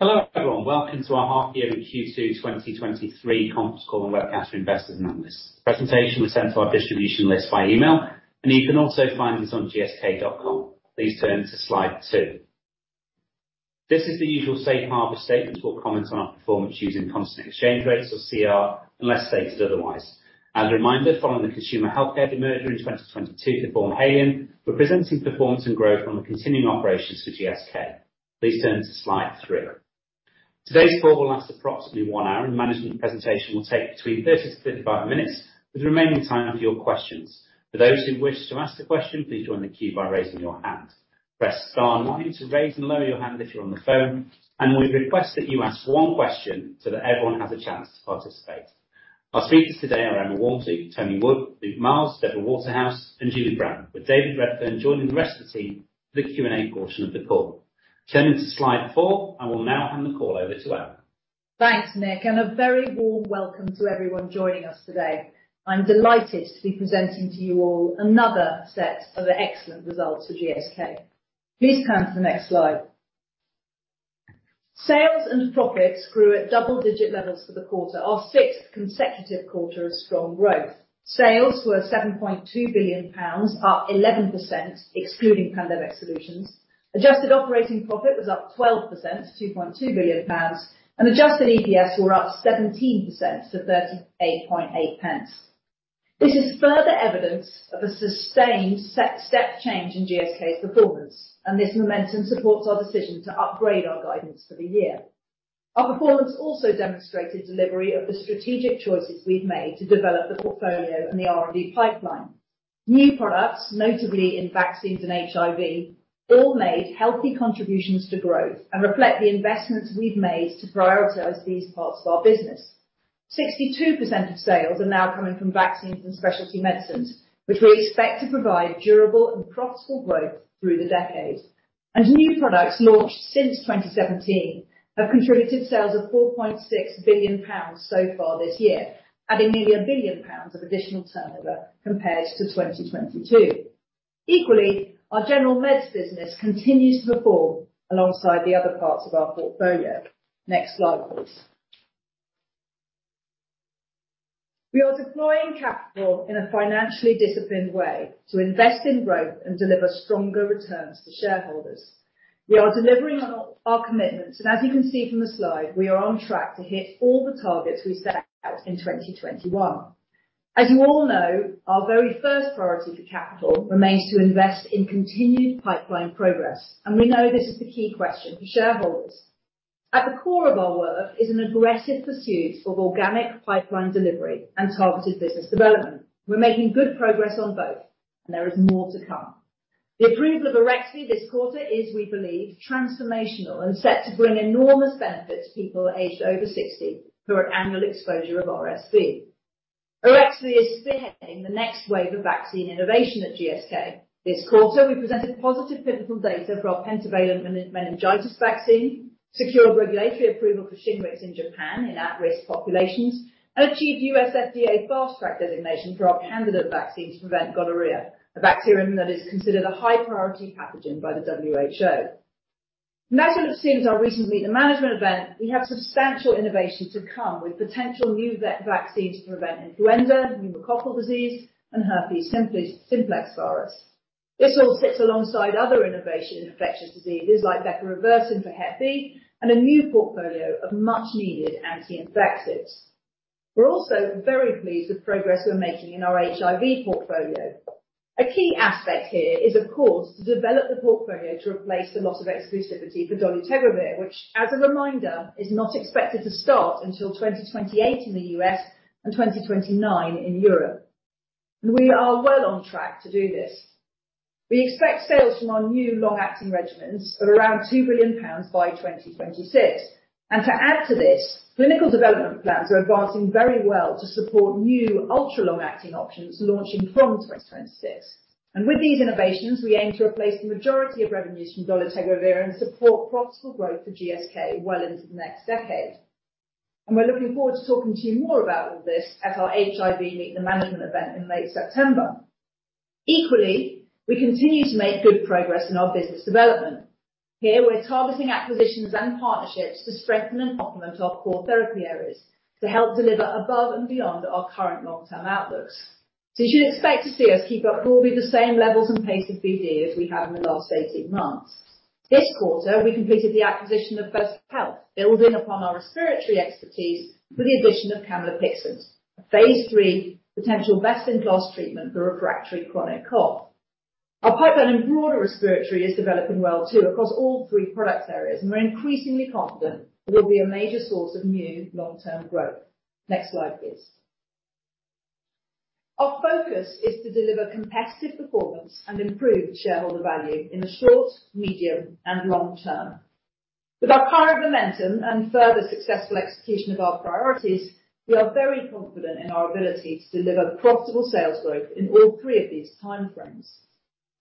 Hello, everyone. Welcome to our half year in Q2 2023 conference call and webcast for investors and analysts. The presentation was sent to our distribution list by email, and you can also find this on gsk.com. Please turn to Slide 2. This is the usual safe harbor statement. We'll comment on our performance using constant exchange rates or CER, unless stated otherwise. As a reminder, following the consumer healthcare demerger in 2022 to Haleon, we're presenting performance and growth from the continuing operations for GSK. Please turn to Slide 3. Today's call will last approximately one hour, and the management presentation will take between 30-35 minutes, with the remaining time for your questions. For those who wish to ask a question, please join the queue by raising your hand. Press star nine to raise and lower your hand if you're on the phone, and we request that you ask one question so that everyone has a chance to participate. Our speakers today are Emma Walmsley, Tony Wood, Luke Miels, Deborah Waterhouse, and Julie Brown, with David Redfern then joining the rest of the team for the Q&A portion of the call. Turning to Slide 4, I will now hand the call over to Emma. Thanks, Nick, a very warm welcome to everyone joining us today. I'm delighted to be presenting to you all another set of excellent results for GSK. Please turn to the next slide. Sales and profits grew at double-digit levels for the quarter, our sixth consecutive quarter of strong growth. Sales were 7.2 billion pounds, up 11%, excluding pandemic solutions. Adjusted operating profit was up 12% to GBP 2.2 billion, and adjusted EPS were up 17% to 0.388. This is further evidence of a sustained step change in GSK's performance, and this momentum supports our decision to upgrade our guidance for the year. Our performance also demonstrated delivery of the strategic choices we've made to develop the portfolio and the R&D pipeline. New products, notably in vaccines and HIV, all made healthy contributions to growth and reflect the investments we've made to prioritize these parts of our business. 62% of sales are now coming from vaccines and specialty medicines, which we expect to provide durable and profitable growth through the decade. New products launched since 2017 have contributed sales of 4.6 billion pounds so far this year, adding nearly 1 billion pounds of additional turnover compared to 2022. Our general meds business continues to perform alongside the other parts of our portfolio. Next slide, please. We are deploying capital in a financially disciplined way to invest in growth and deliver stronger returns to shareholders. We are delivering on our commitments, and as you can see from the slide, we are on track to hit all the targets we set out in 2021. As you all know, our very first priority for capital remains to invest in continued pipeline progress, and we know this is the key question for shareholders. At the core of our work is an aggressive pursuit of organic pipeline delivery and targeted business development. We're making good progress on both, and there is more to come. The approval of Arexvy this quarter is, we believe, transformational and set to bring enormous benefit to people aged over 60, who are at annual exposure of RSV. Arexvy is spearheading the next wave of vaccine innovation at GSK. This quarter, we presented positive clinical data for our pentavalent meningitis vaccine, secured regulatory approval for Shingrix in Japan in at-risk populations, and achieved U.S. FDA Fast Track designation for our candidate vaccine to prevent gonorrhea, a bacterium that is considered a high-priority pathogen by the WHO. As you'll have seen at our recent Meet the Management event, we have substantial innovation to come with potential new vaccines to prevent influenza, pneumococcal disease, and herpes simplex virus. This all sits alongside other innovation in infectious diseases like bepirovirsen for hepatitis B, and a new portfolio of much-needed anti-infectives. We're also very pleased with the progress we're making in our HIV portfolio. A key aspect here is, of course, to develop the portfolio to replace the loss of exclusivity for dolutegravir, which, as a reminder, is not expected to start until 2028 in the U.S. and 2029 in Europe. We are well on track to do this. We expect sales from our new long-acting regimens of around 2 billion pounds by 2026. To add to this, clinical development plans are advancing very well to support new ultra-long-acting options launching from 2026. With these innovations, we aim to replace the majority of revenues from dolutegravir and support profitable growth for GSK well into the next decade. We're looking forward to talking to you more about all this at our HIV Meet the Management event in late September. Equally, we continue to make good progress in our business development. Here, we're targeting acquisitions and partnerships to strengthen and complement our core therapy areas to help deliver above and beyond our current long-term outlooks. You should expect to see us keep up broadly the same levels and pace of BD as we have in the last 18 months. This quarter, we completed the acquisition of BELLUS Health, building upon our respiratory expertise with the addition of Camlipixant, a phase III potential best-in-class treatment for refractory chronic cough. Our pipeline in broader respiratory is developing well, too, across all three product areas. We're increasingly confident it will be a major source of new long-term growth. Next slide, please. Our focus is to deliver competitive performance and improve shareholder value in the short, medium, and long term. With our current momentum and further successful execution of our priorities, we are very confident in our ability to deliver profitable sales growth in all three of these time frames.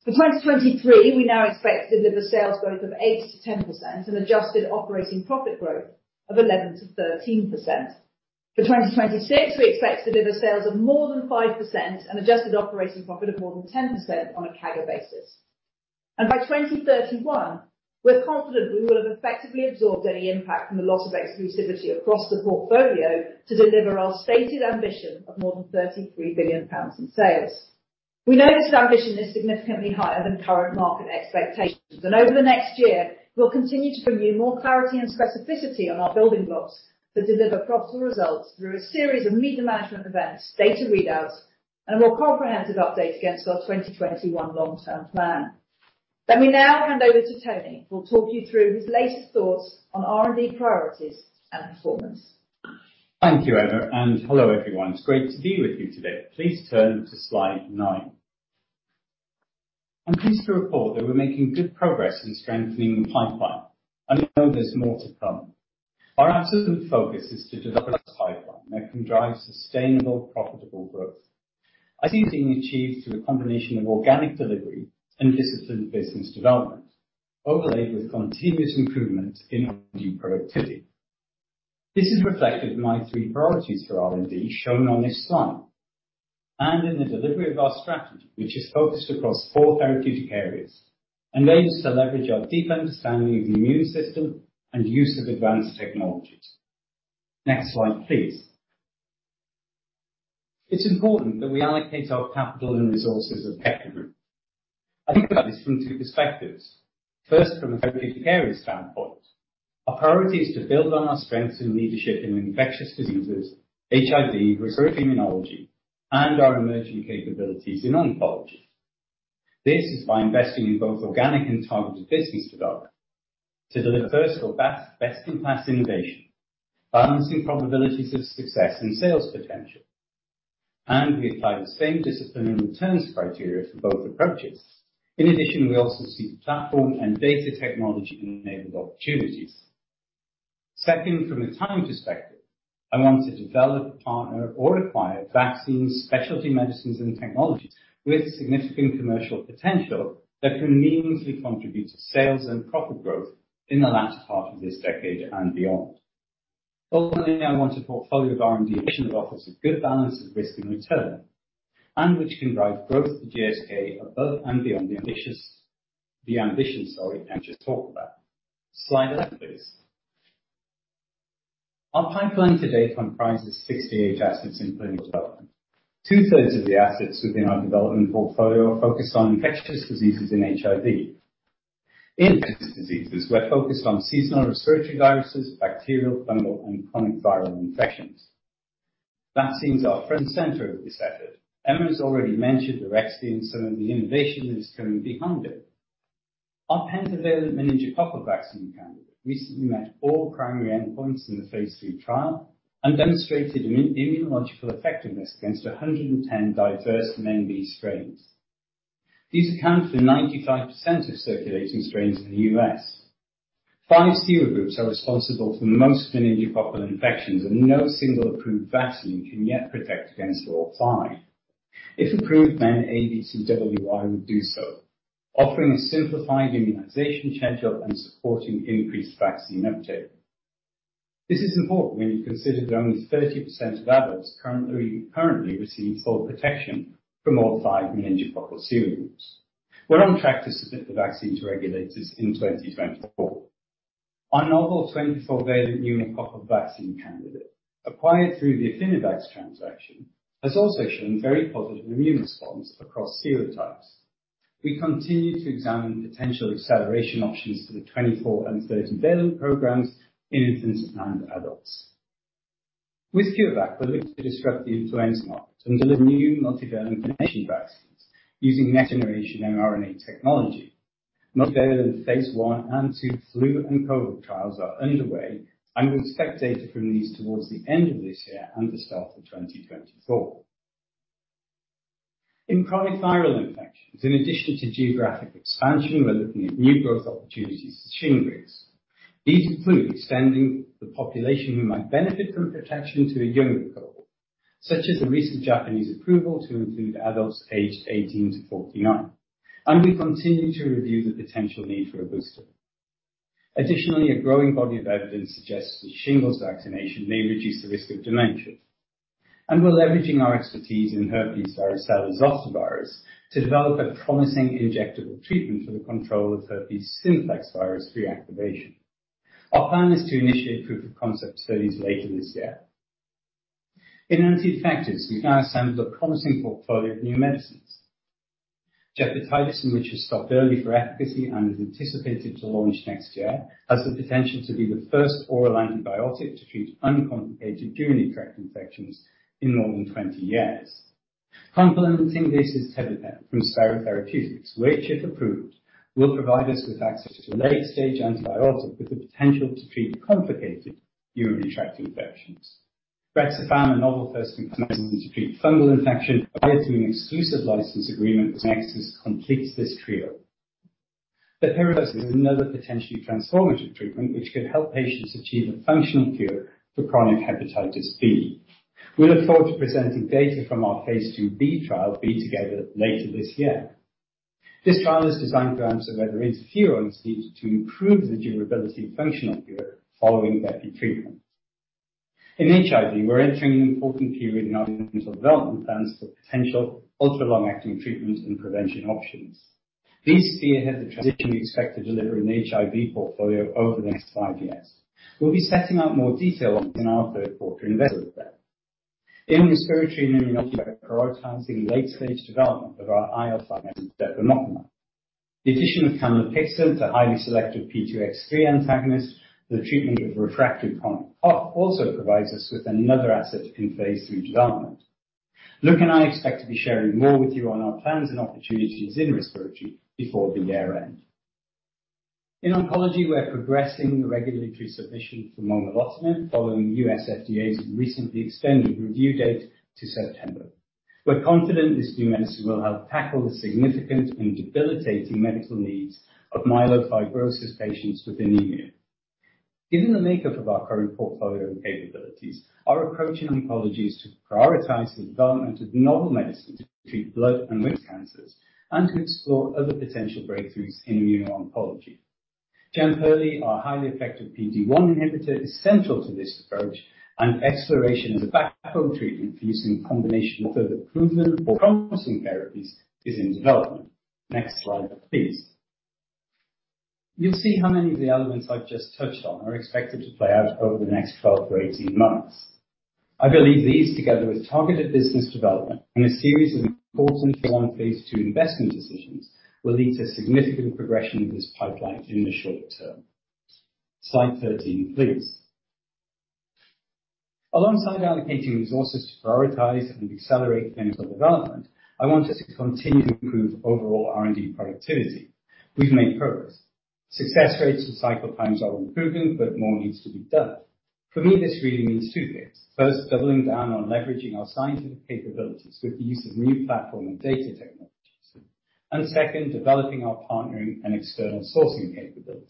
For 2023, we now expect to deliver sales growth of 8%-10% and adjusted operating profit growth of 11%-13%. For 2026, we expect to deliver sales of more than 5% and adjusted operating profit of more than 10% on a CAGR basis. By 2031, we're confident we will have effectively absorbed any impact from the loss of exclusivity across the portfolio to deliver our stated ambition of more than 33 billion pounds in sales. We know this ambition is significantly higher than current market expectations, and over the next year, we'll continue to bring you more clarity and specificity on our building blocks that deliver profitable results through a series of media management events, data readouts, and a more comprehensive update against our 2021 long-term plan. Let me now hand over to Tony, who will talk you through his latest thoughts on R&D priorities and performance. Thank you, Emma. Hello, everyone. It's great to be with you today. Please turn to Slide 9. I'm pleased to report that we're making good progress in strengthening the pipeline. I know there's more to come. Our absolute focus is to deliver a pipeline that can drive sustainable, profitable growth. I think being achieved through a combination of organic delivery and disciplined business development, overlaid with continuous improvement in R&D productivity. This is reflected in my three priorities for R&D, shown on this slide. In the delivery of our strategy, which is focused across four therapeutic areas, enabled to leverage our deep understanding of the immune system and use of advanced technologies. Next slide, please. It's important that we allocate our capital and resources effectively. I think about this from two perspectives. First, from a therapeutic area standpoint, our priority is to build on our strengths and leadership in infectious diseases, HIV, respiratory immunology, and our emerging capabilities in oncology. This is by investing in both organic and targeted business development to deliver first or best-in-class innovation, balancing probabilities of success and sales potential. We apply the same discipline and returns criteria for both approaches. In addition, we also see platform and data technology-enabled opportunities. Second, from a time perspective, I want to develop, partner, or acquire vaccines, specialty medicines, and technologies with significant commercial potential that can meaningfully contribute to sales and profit growth in the latter part of this decade and beyond. Ultimately, I want a portfolio of R&D options that offers a good balance of risk and return, and which can drive growth to GSK above and beyond the ambition, sorry, I just talked about. Slide 11, please. Our pipeline to date comprises 68 assets in clinical development. Two-thirds of the assets within our development portfolio are focused on infectious diseases and HIV. In infectious diseases, we're focused on seasonal respiratory viruses, bacterial, fungal, and chronic viral infections. Vaccines are front and center of this effort. Emma has already mentioned Arexvy and some of the innovation that is coming behind it. Our pentavalent meningococcal vaccine candidate recently met all primary endpoints in the phase III trial and demonstrated immunological effectiveness against 110 diverse Meningococcal B strains. These account for 95% of circulating strains in the U.S. Five serogroups are responsible for most meningococcal infections, no single approved vaccine can yet protect against all five. If approved, MenABCWY would do so, offering a simplified immunization schedule and supporting increased vaccine uptake. This is important when you consider that only 30% of adults currently receive full protection from all five meningococcal serogroups. We're on track to submit the vaccine to regulators in 2024. Our novel 24-valent pneumococcal vaccine candidate, acquired through the Affinivax transaction, has also shown very positive immune response across serotypes. We continue to examine potential acceleration options for the 24-valent and 30-valent programs in infants and adults. With CureVac, we're looking to disrupt the influenza market and deliver new multivalent combination vaccines using next-generation mRNA technology. Multivalent phase I and II flu and COVID trials are underway. We'll expect data from these towards the end of this year and the start of 2024. In chronic viral infections, in addition to geographic expansion, we're looking at new growth opportunities for Shingrix. These include extending the population who might benefit from protection to a younger cohort, such as the recent Japanese approval to include adults aged 18-49. We continue to review the potential need for a booster. Additionally, a growing body of evidence suggests that shingles vaccination may reduce the risk of dementia, and we're leveraging our expertise in varicella zoster virus to develop a promising injectable treatment for the control of herpes simplex virus reactivation. Our plan is to initiate proof of concept studies later this year. In anti-infectives, we've now assembled a promising portfolio of new medicines. Gepotidacin, which has stopped early for efficacy and is anticipated to launch next year, has the potential to be the first oral antibiotic to treat uncomplicated urinary tract infections in more than 20 years. Complementing this is tebipenem from Spero Therapeutics, which, if approved, will provide us with access to a late-stage antibiotic with the potential to treat complicated urinary tract infections. Brexafemme, a novel first-in-class to treat fungal infections, acquired through an exclusive license agreement with SCYNEXIS, completes this trio. Here is another potentially transformative treatment which could help patients achieve a functional cure for chronic hepatitis B. We look forward to presenting data from our phase IIb trial B-Together later this year. This trial is designed to answer whether interferons need to improve the durability and functional cure following therapy treatment. In HIV, we're entering an important period in our development plans for potential ultra-long-acting treatments and prevention options. This year has a transition we expect to deliver in HIV portfolio over the next five years. We'll be setting out more detail in our 3rd quarter investor event. In respiratory and immunology, we're prioritizing late-stage development of our IL-5 antagonist, depemokimab. The addition of Camlipixant, a highly selective P2X3 antagonist, the treatment of refractory chronic cough, also provides us with another asset in phase III development. Luke and I expect to be sharing more with you on our plans and opportunities in respiratory before the year end. In oncology, we're progressing the regulatory submission for momelotinib, following FDA's recently extended review date to September. We're confident this new medicine will help tackle the significant and debilitating medical needs of myelofibrosis patients with anemia. Given the makeup of our current portfolio and capabilities, our approach in oncology is to prioritize the development of novel medicines to treat blood and risk cancers and to explore other potential breakthroughs in immuno-oncology. Jemperli, our highly effective PD-1 inhibitor, is central to this approach. Exploration as a backbone treatment for use in combination with further proven or promising therapies is in development. Next slide, please. You'll see how many of the elements I've just touched on are expected to play out over the next 12 to 18 months. I believe these, together with targeted business development and a series of important phase II investment decisions, will lead to significant progression of this pipeline in the short term. Slide 13, please. Alongside allocating resources to prioritize and accelerate clinical development, I want us to continue to improve overall R&D productivity. We've made progress. Success rates and cycle times are improving. More needs to be done. For me, this really means 2 things. First, doubling down on leveraging our scientific capabilities with the use of new platform and data technologies. Second, developing our partnering and external sourcing capabilities.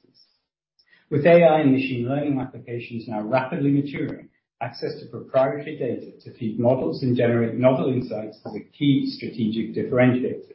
With AI and machine learning applications now rapidly maturing, access to proprietary data to feed models and generate novel insights is a key strategic differentiator.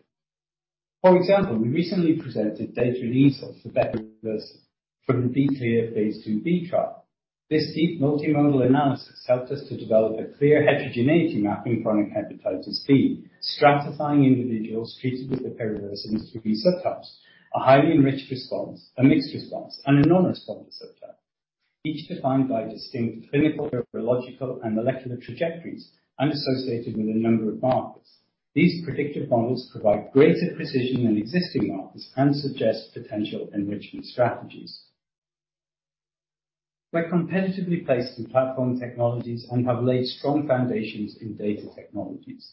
For example, we recently presented data and results for better use from the B-Clear phase IIb trial. This deep multimodal analysis helped us to develop a clear heterogeneity map in chronic hepatitis B, stratifying individuals treated with bepirovirsen in 3 subtypes: a highly enriched response, a mixed response, and a non-response subtype, each defined by distinct clinical, virological, and molecular trajectories, and associated with a number of markers. These predictive models provide greater precision than existing markers and suggest potential enrichment strategies. We're competitively placed in platform technologies and have laid strong foundations in data technologies.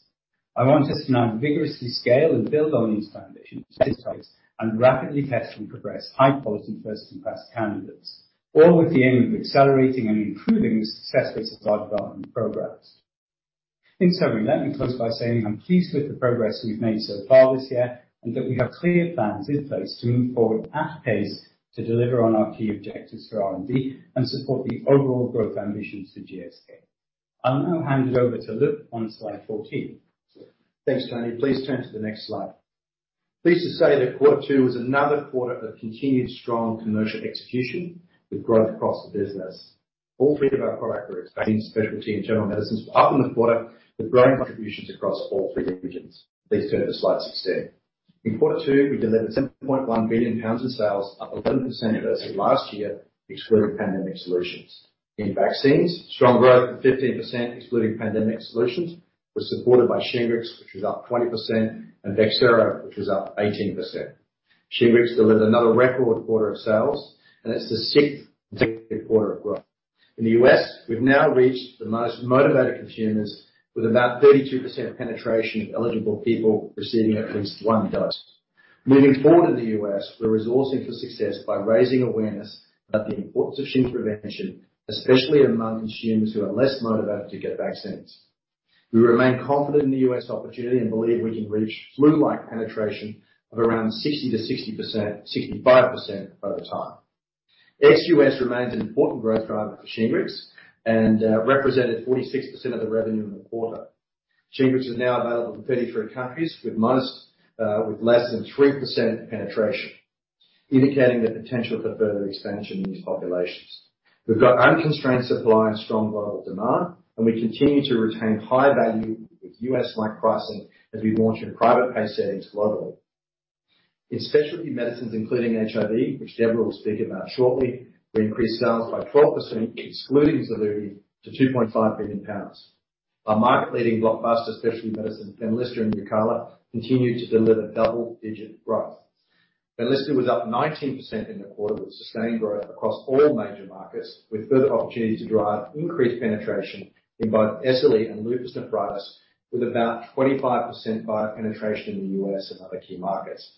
I want us to now vigorously scale and build on these foundations, rapidly test and progress high-quality, first-in-class candidates, all with the aim of accelerating and improving the success rates of our development programs. In summary, let me close by saying I'm pleased with the progress we've made so far this year, that we have clear plans in place to move forward at pace to deliver on our key objectives for R&D and support the overall growth ambitions to GSK. I'll now hand it over to Luke on Slide 14. Thanks, Tony. Please turn to the next slide. Pleased to say that quarter two was another quarter of continued strong commercial execution with growth across the business. All three of our products are expanding. Specialty internal medicines were up in the quarter with growing contributions across all three regions. Please turn to Slide 16. In quarter two, we delivered 7.1 billion pounds in sales, up 11% versus last year, excluding Pandemic Solutions. In vaccines, strong growth of 15%, excluding Pandemic Solutions, was supported by Shingrix, which was up 20%, and Bexsero, which was up 18%. Shingrix delivered another record quarter of sales, and it's the sixth quarter of growth. In the U.S., we've now reached the most motivated consumers, with about 32% penetration of eligible people receiving at least one dose. Moving forward in the U.S., we're resourcing for success by raising awareness about the importance of Shing prevention, especially among consumers who are less motivated to get vaccines. We remain confident in the U.S. opportunity and believe we can reach flu-like penetration of around 60%-65% over time. Ex-U.S. remains an important growth driver for Shingrix and represented 46% of the revenue in the quarter. Shingrix is now available in 33 countries, with most with less than 3% penetration, indicating the potential for further expansion in these populations. We've got unconstrained supply and strong global demand, and we continue to retain high value with U.S.-like pricing as we launch in private pay settings globally. In specialty medicines, including HIV, which Deborah will speak about shortly, we increased sales by 12%, excluding Xevudy, to 2.5 billion pounds. Our market-leading blockbuster specialty medicines, Benlysta and Nucala, continued to deliver double-digit growth. Benlysta was up 19% in the quarter, with sustained growth across all major markets, with further opportunity to drive increased penetration in both SLE and lupus nephritis, with about 25% buyer penetration in the U.S. and other key markets.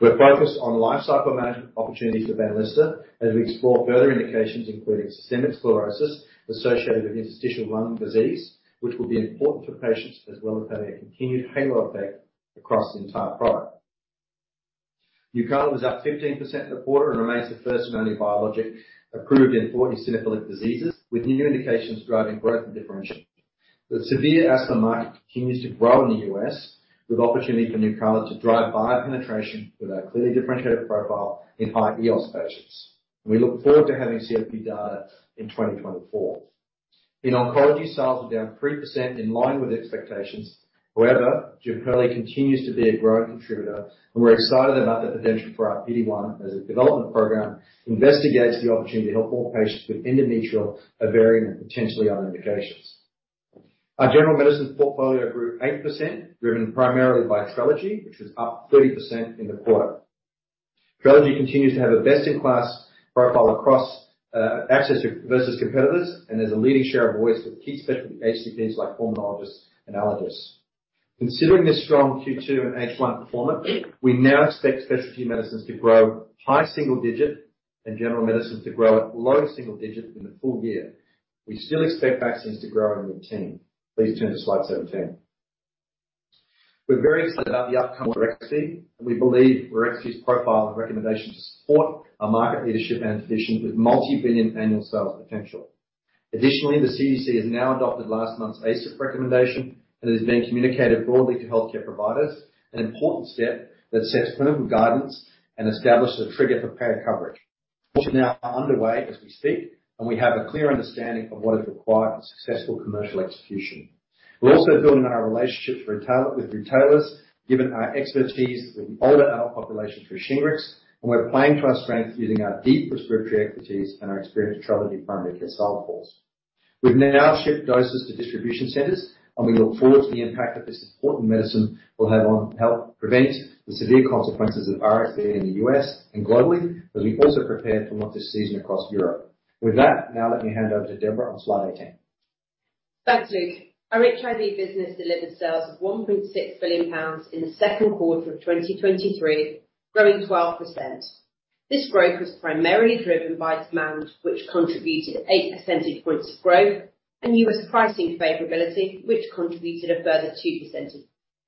We're focused on life cycle management opportunities for Benlysta as we explore further indications, including systemic sclerosis associated with interstitial lung disease, which will be important for patients as well as having a continued halo effect across the entire product. Nucala was up 15% in the quarter and remains the first and only biologic approved in 40 eosinophilic diseases, with new indications driving growth and differentiation. The severe asthma market continues to grow in the U.S., with opportunity for Nucala to drive buyer penetration with our clearly differentiated profile in high EOS patients. We look forward to having CFP data in 2024. In oncology, sales were down 3% in line with expectations. Jemperli continues to be a growing contributor, and we're excited about the potential for our PD-1 as a development program, investigates the opportunity to help more patients with endometrial ovarian and potentially other indications. Our general medicines portfolio grew 8%, driven primarily by Trelegy, which was up 30% in the quarter. Trelegy continues to have a best-in-class profile across access versus competitors, and there's a leading share of voice with key specialty HCPs like pulmonologists and allergists. Considering this strong Q2 and H1 performance, we now expect specialty medicines to grow high single-digit, and general medicines to grow at low single-digit in the full year. We still expect vaccines to grow in the mid-teens. Please turn to Slide 17. We're very excited about the outcome of Arexvy. We believe Arexvy's profile and recommendation to support our market leadership and position with multi-billion annual sales potential. Additionally, the CDC has now adopted last month's ACIP recommendation. It is being communicated broadly to healthcare providers, an important step that sets clinical guidance and establishes a trigger for payer coverage, which is now underway as we speak. We have a clear understanding of what is required for successful commercial execution. We're also building on our relationships with retailers, given our expertise with the older adult population through Shingrix. We're playing to our strength using our deep prescriptive equities and our experienced Trelegy primary care sales force. We've now shipped doses to distribution centers, and we look forward to the impact that this important medicine will have on help prevent the severe consequences of RSV in the U.S. and globally, as we also prepare for launch this season across Europe. With that, now let me hand over to Deborah on Slide 18. Thanks, Luke. Our HIV business delivered sales of 1.6 billion pounds in the 2Q 2023, growing 12%. This growth was primarily driven by demand, which contributed 8 percentage points of growth and U.S. pricing favorability, which contributed a further 2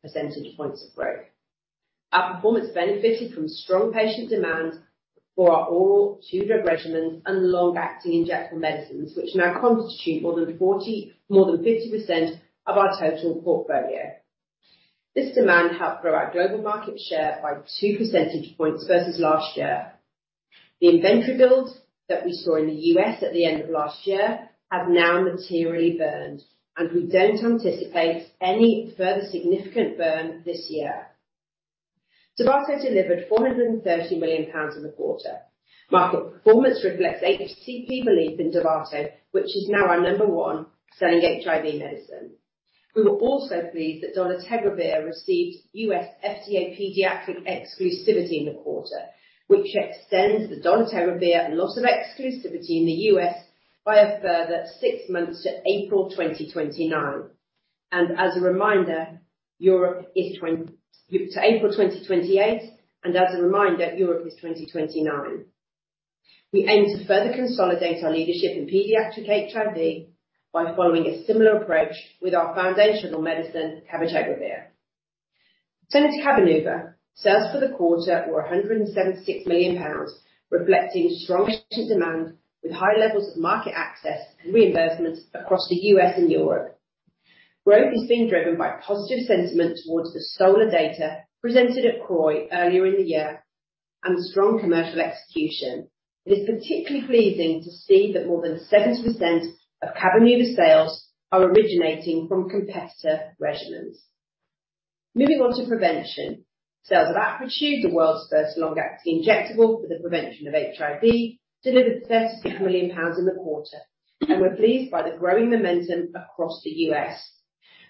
percentage points of growth. Our performance benefited from strong patient demand for our oral two-drug regimens and long-acting injectable medicines, which now constitute more than 50% of our total portfolio. This demand helped grow our global market share by 2 percentage points versus last year. The inventory builds that we saw in the U.S. at the end of last year have now materially burned, and we don't anticipate any further significant burn this year. Dovato delivered 430 million pounds in the quarter. Market performance reflects HCP belief in Dovato, which is now our number one selling HIV medicine. We were also pleased that dolutegravir received U.S. FDA pediatric exclusivity in the quarter, which extends the dolutegravir loss of exclusivity in the U.S. by a further six months to April 2029. As a reminder, Europe is to April 2028. As a reminder, Europe is 2029. We aim to further consolidate our leadership in pediatric HIV by following a similar approach with our foundational medicine, cabotegravir. Tenofovir sales for the quarter were 176 million pounds, reflecting strong patient demand with high levels of market access and reimbursements across the U.S. and Europe. Growth is being driven by positive sentiment towards the SOLAR data presented at CROI earlier in the year and strong commercial execution. It is particularly pleasing to see that more than 70% of Cabenuva sales are originating from competitor regimens. Moving on to prevention. Sales of Apretude, the world's first long-acting injectable for the prevention of HIV, delivered 36 million pounds in the quarter, and we're pleased by the growing momentum across the U.S.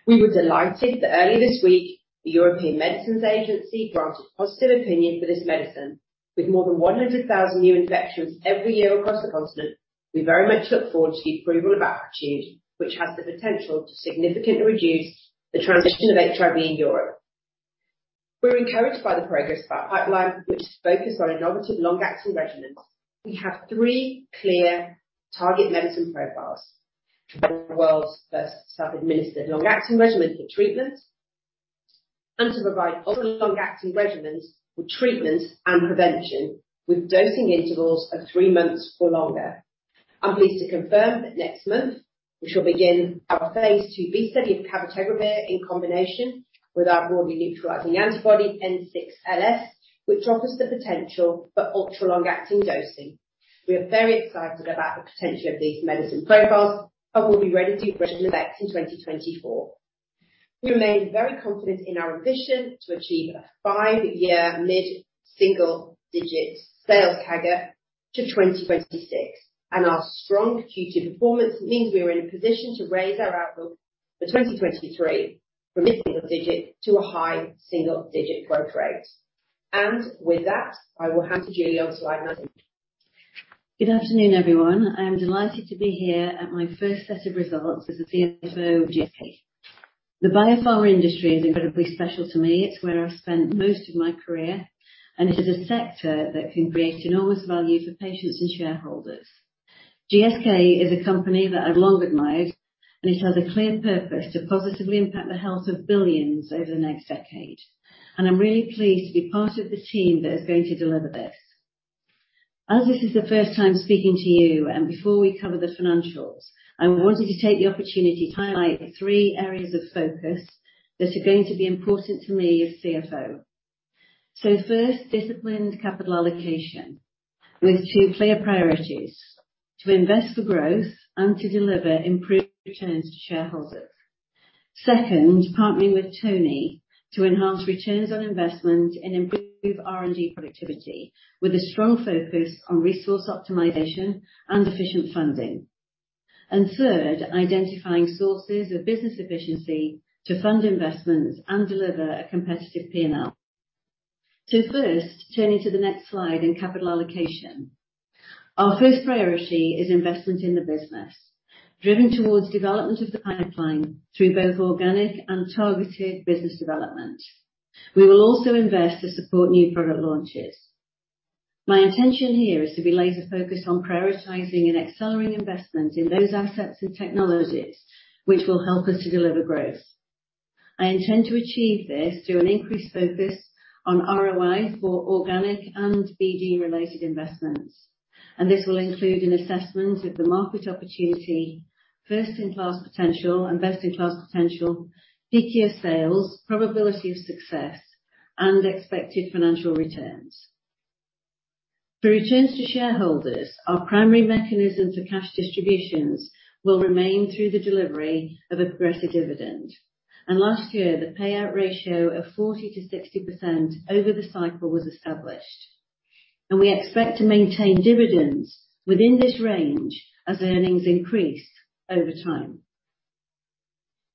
We were delighted that earlier this week, the European Medicines Agency granted positive opinion for this medicine. With more than 100,000 new infections every year across the continent, we very much look forward to the approval of Apretude, which has the potential to significantly reduce the transition of HIV in Europe. We're encouraged by the progress of our pipeline, which is focused on innovative long-acting regimens. We have 3 clear target medicine profiles: the world's first self-administered, long-acting regimen for treatment, and to provide oral long-acting regimens for treatment and prevention, with dosing intervals of 3 months or longer. I'm pleased to confirm that next month we shall begin our phase IIb study of cabotegravir in combination with our broadly neutralizing antibody VRC07-523LS, which offers the potential for ultra-long-acting dosing. We are very excited about the potential of these medicine profiles and will be ready to progress with X in 2024. We remain very confident in our ambition to achieve a 5-year mid-single digit % sales target to 2026, and our strong Q2 performance means we are in a position to raise our outlook for 2023 from mid-single digit % to a high single digit % growth rate. With that, I will hand to Julie on Slide 19. Good afternoon, everyone. I am delighted to be here at my first set of results as the CFO of GSK. The biopharma industry is incredibly special to me. It's where I've spent most of my career, it is a sector that can create enormous value for patients and shareholders. GSK is a company that I've long admired, it has a clear purpose to positively impact the health of billions over the next decade. I'm really pleased to be part of the team that is going to deliver this. As this is the first time speaking to you, and before we cover the financials, I wanted to take the opportunity to highlight three areas of focus that are going to be important to me as CFO. First, disciplined capital allocation, with two clear priorities: To invest for growth and to deliver improved returns to shareholders. Partnering with Tony Wood to enhance returns on investment and improve R&D productivity, with a strong focus on resource optimization and efficient funding. Identifying sources of business efficiency to fund investments and deliver a competitive P&L. First, turning to the next slide in capital allocation. Our first priority is investment in the business, driven towards development of the pipeline through both organic and targeted business development. We will also invest to support new product launches. My intention here is to be laser-focused on prioritizing and accelerating investment in those assets and technologies which will help us to deliver growth. I intend to achieve this through an increased focus on ROI for organic and BD-related investments, and this will include an assessment of the market opportunity, first-in-class potential and best-in-class potential, peak year sales, probability of success, and expected financial returns. For returns to shareholders, our primary mechanism for cash distributions will remain through the delivery of a progressive dividend. Last year, the payout ratio of 40%-60% over the cycle was established, and we expect to maintain dividends within this range as earnings increase over time.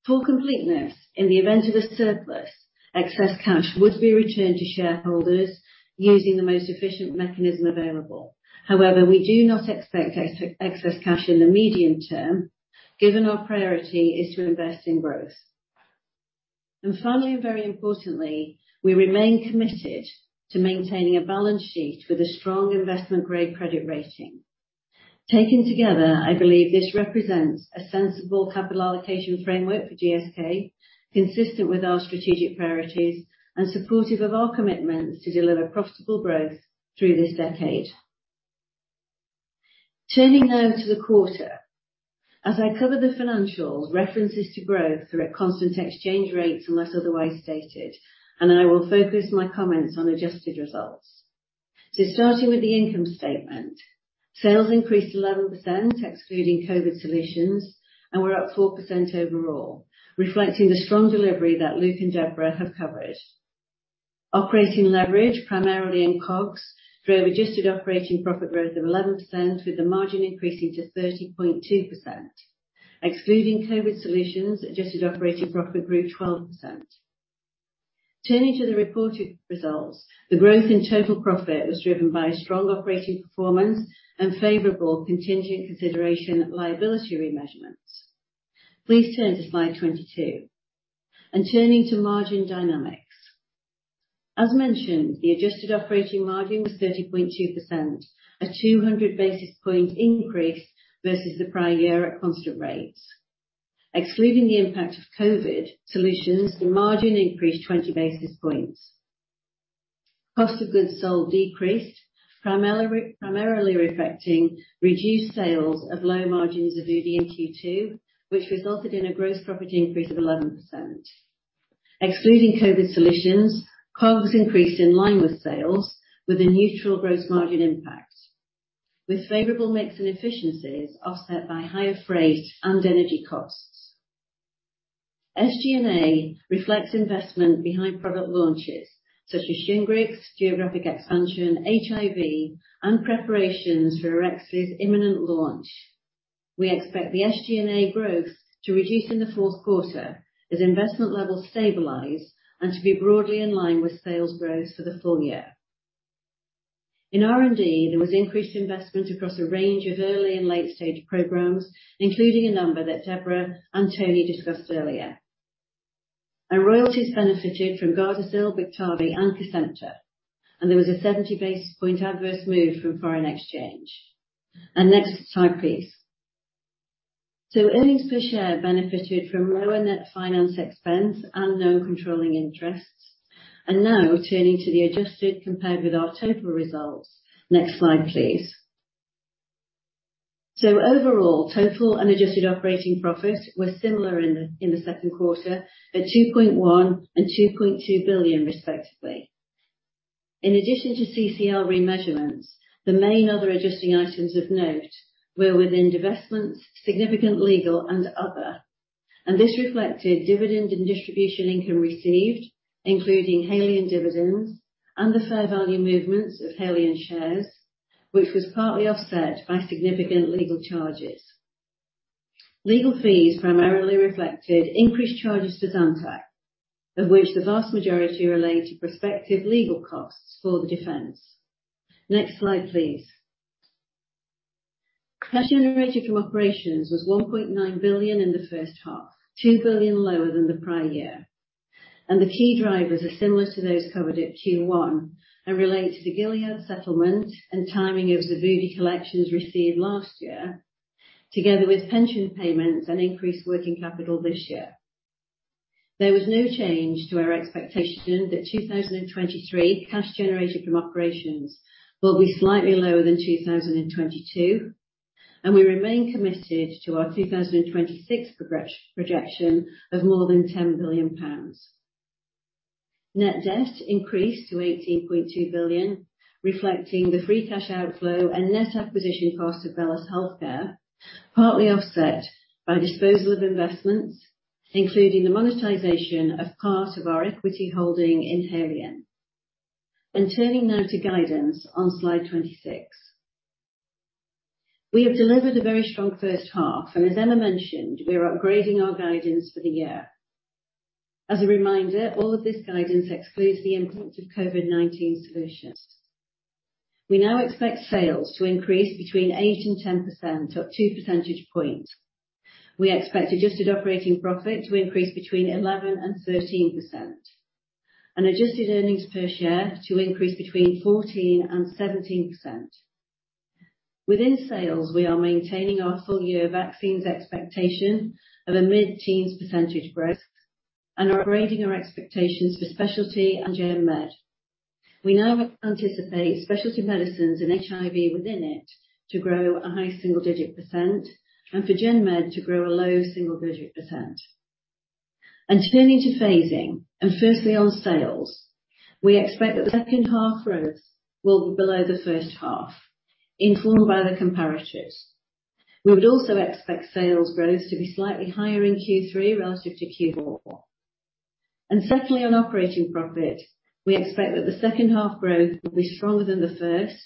For completeness, in the event of a surplus, excess cash would be returned to shareholders using the most efficient mechanism available. However, we do not expect excess cash in the medium term, given our priority is to invest in growth. Finally, and very importantly, we remain committed to maintaining a balance sheet with a strong investment-grade credit rating. Taken together, I believe this represents a sensible capital allocation framework for GSK, consistent with our strategic priorities and supportive of our commitments to deliver profitable growth through this decade. Turning now to the quarter. I cover the financials, references to growth are at constant exchange rates, unless otherwise stated, and I will focus my comments on adjusted results. Starting with the income statement. Sales increased 11%, excluding pandemic solutions, and were up 4% overall, reflecting the strong delivery that Luke and Deborah have covered. Operating leverage, primarily in COGS, drove adjusted operating profit growth of 11%, with the margin increasing to 30.2%. Excluding pandemic solutions, adjusted operating profit grew 12%. Turning to the reported results, the growth in total profit was driven by a strong operating performance and favorable contingent consideration liability remeasurements. Please turn to Slide 22. Turning to margin dynamics. As mentioned, the adjusted operating margin was 30.2%, a 200 basis point increase versus the prior year at constant rates. Excluding the impact of pandemic solutions, the margin increased 20 basis points. Cost of goods sold decreased, primarily reflecting reduced sales of low margins of Xevudy Q2, which resulted in a gross profit increase of 11%. Excluding pandemic solutions, COGS increased in line with sales with a neutral gross margin impact, with favorable mix and efficiencies offset by higher freight and energy costs. SG&A reflects investment behind product launches such as Shingrix, geographic expansion, HIV, and preparations for Arexvy's imminent launch. We expect the SG&A growth to reduce in the fourth quarter as investment levels stabilize and to be broadly in line with sales growth for the full year. In R&D, there was increased investment across a range of early and late-stage programs, including a number that Deborah and Tony discussed earlier. Royalties benefited from Gardasil, Biktarvy, and Kesimpta, and there was a 70 basis point adverse move from foreign exchange. Next slide, please. Earnings per share benefited from lower net finance expense and non-controlling interests. Now turning to the adjusted compared with our total results. Next slide, please. Overall, total unadjusted operating profits were similar in the second quarter at 2.1 billion and 2.2 billion, respectively. In addition to CCL remeasurements, the main other adjusting items of note were within divestments, significant legal, and other, and this reflected dividend and distribution income received, including Haleon dividends and the fair value movements of Haleon shares, which was partly offset by significant legal charges. Legal fees primarily reflected increased charges to Zantac, of which the vast majority relate to prospective legal costs for the defense. Next slide, please. Cash generated from operations was 1.9 billion in the first half, 2 billion lower than the prior year. The key drivers are similar to those covered at Q1, and relate to the Gilead settlement and timing of the ViiV collections received last year, together with pension payments and increased working capital this year. There was no change to our expectation that 2023 cash generated from operations will be slightly lower than 2022, and we remain committed to our 2026 projection of more than 10 billion pounds. Net debt increased to 18.2 billion, reflecting the free cash outflow and net acquisition cost of BELLUS Health, partly offset by disposal of investments, including the monetization of part of our equity holding in Haleon. Turning now to guidance on Slide 26. We have delivered a very strong first half, and as Emma mentioned, we are upgrading our guidance for the year. As a reminder, all of this guidance excludes the impact of COVID-19 solutions. We now expect sales to increase between 8% and 10%, up 2 percentage points. We expect adjusted operating profit to increase between 11% and 13%, and adjusted earnings per share to increase between 14% and 17%. Within sales, we are maintaining our full year vaccines expectation of a mid-teens percentage growth, and are upgrading our expectations for Specialty and General Medicines. We now anticipate Specialty Medicines and HIV within it to grow a high single digit percent and for General Medicines to grow a low single digit percent. Turning to phasing, and firstly on sales, we expect that the second half growth will be below the first half, informed by the comparatives. We would also expect sales growth to be slightly higher in Q3 relative to Q4. Secondly, on operating profit, we expect that the second half growth will be stronger than the first,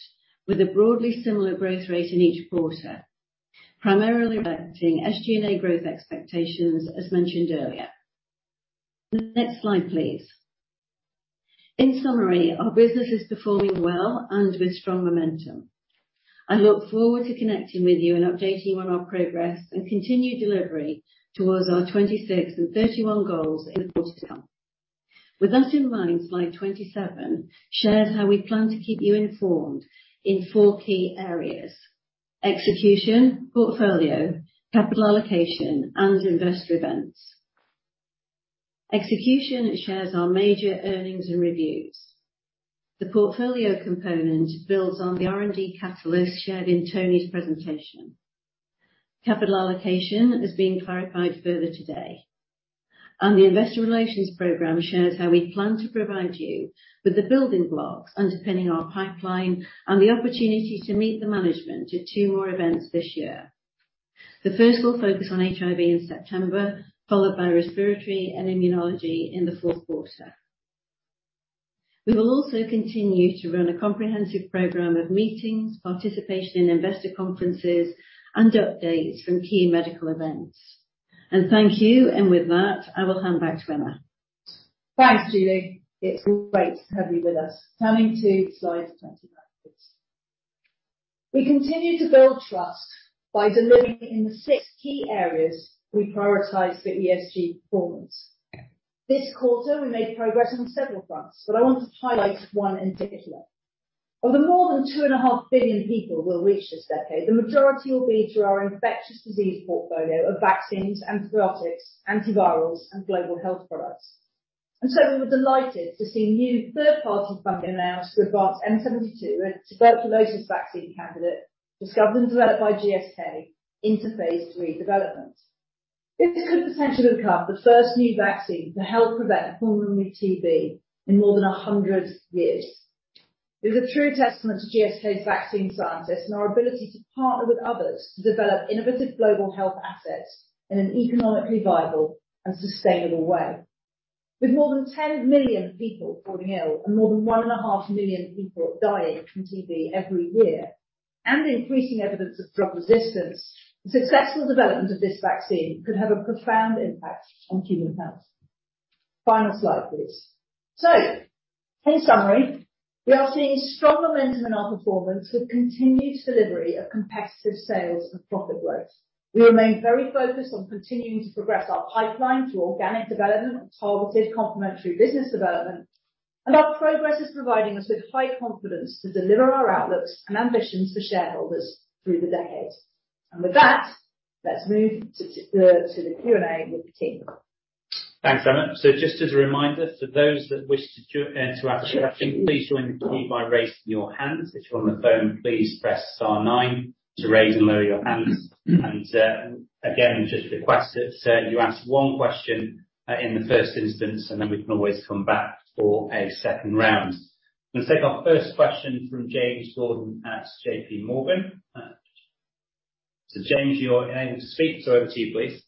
with a broadly similar growth rate in each quarter, primarily reflecting SG&A growth expectations, as mentioned earlier. Next slide, please. In summary, our business is performing well and with strong momentum. I look forward to connecting with you and updating you on our progress and continued delivery towards our 26 and 31 goals in the quarter. With that in mind, slide 27 shares how we plan to keep you informed in four key areas: execution, portfolio, capital allocation, and investor events. Execution shares our major earnings and reviews. The portfolio component builds on the R&D catalyst shared in Tony's presentation. Capital allocation has been clarified further today, the investor relations program shares how we plan to provide you with the building blocks underpinning our pipeline and the opportunity to meet the management at 2 more events this year. The first will focus on HIV in September, followed by respiratory and immunology in the fourth quarter. We will also continue to run a comprehensive program of meetings, participation in investor conferences, and updates from key medical events. Thank you, and with that, I will hand back to Emma. Thanks, Julie. It's great to have you with us. Turning to Slide 29. We continue to build trust by delivering in the six key areas we prioritize for ESG performance. This quarter, we made progress on several fronts, but I want to highlight one in particular. Of the more than two and a half billion people we'll reach this decade, the majority will be through our infectious disease portfolio of vaccines, antibiotics, antivirals, and global health products. We were delighted to see new third-party funding announced to advance M72, a tuberculosis vaccine candidate, discovered and developed by GSK into phase III development. This could potentially become the first new vaccine to help prevent pulmonary TB in more than 100 years. It is a true testament to GSK's vaccine scientists and our ability to partner with others to develop innovative global health assets in an economically viable and sustainable way. With more than 10 million people falling ill and more than one and a half million people dying from TB every year, and increasing evidence of drug resistance, the successful development of this vaccine could have a profound impact on human health. Final slide, please. In summary, we are seeing strong momentum in our performance with continued delivery of competitive sales and profit growth. We remain very focused on continuing to progress our pipeline through organic development and targeted complementary business development, and our progress is providing us with high confidence to deliver our outlooks and ambitions for shareholders through the decade. With that, let's move to the Q&A with the team. Thanks, Emma. Just as a reminder, for those that wish to ask a question, please join the queue by raising your hands. If you're on the phone, please press star nine to raise and lower your hands. Again, just request that you ask 1 question in the first instance, and then we can always come back for a second round. Let's take our first question from James Gordon at JPMorgan. James, you're able to speak, so over to you, please.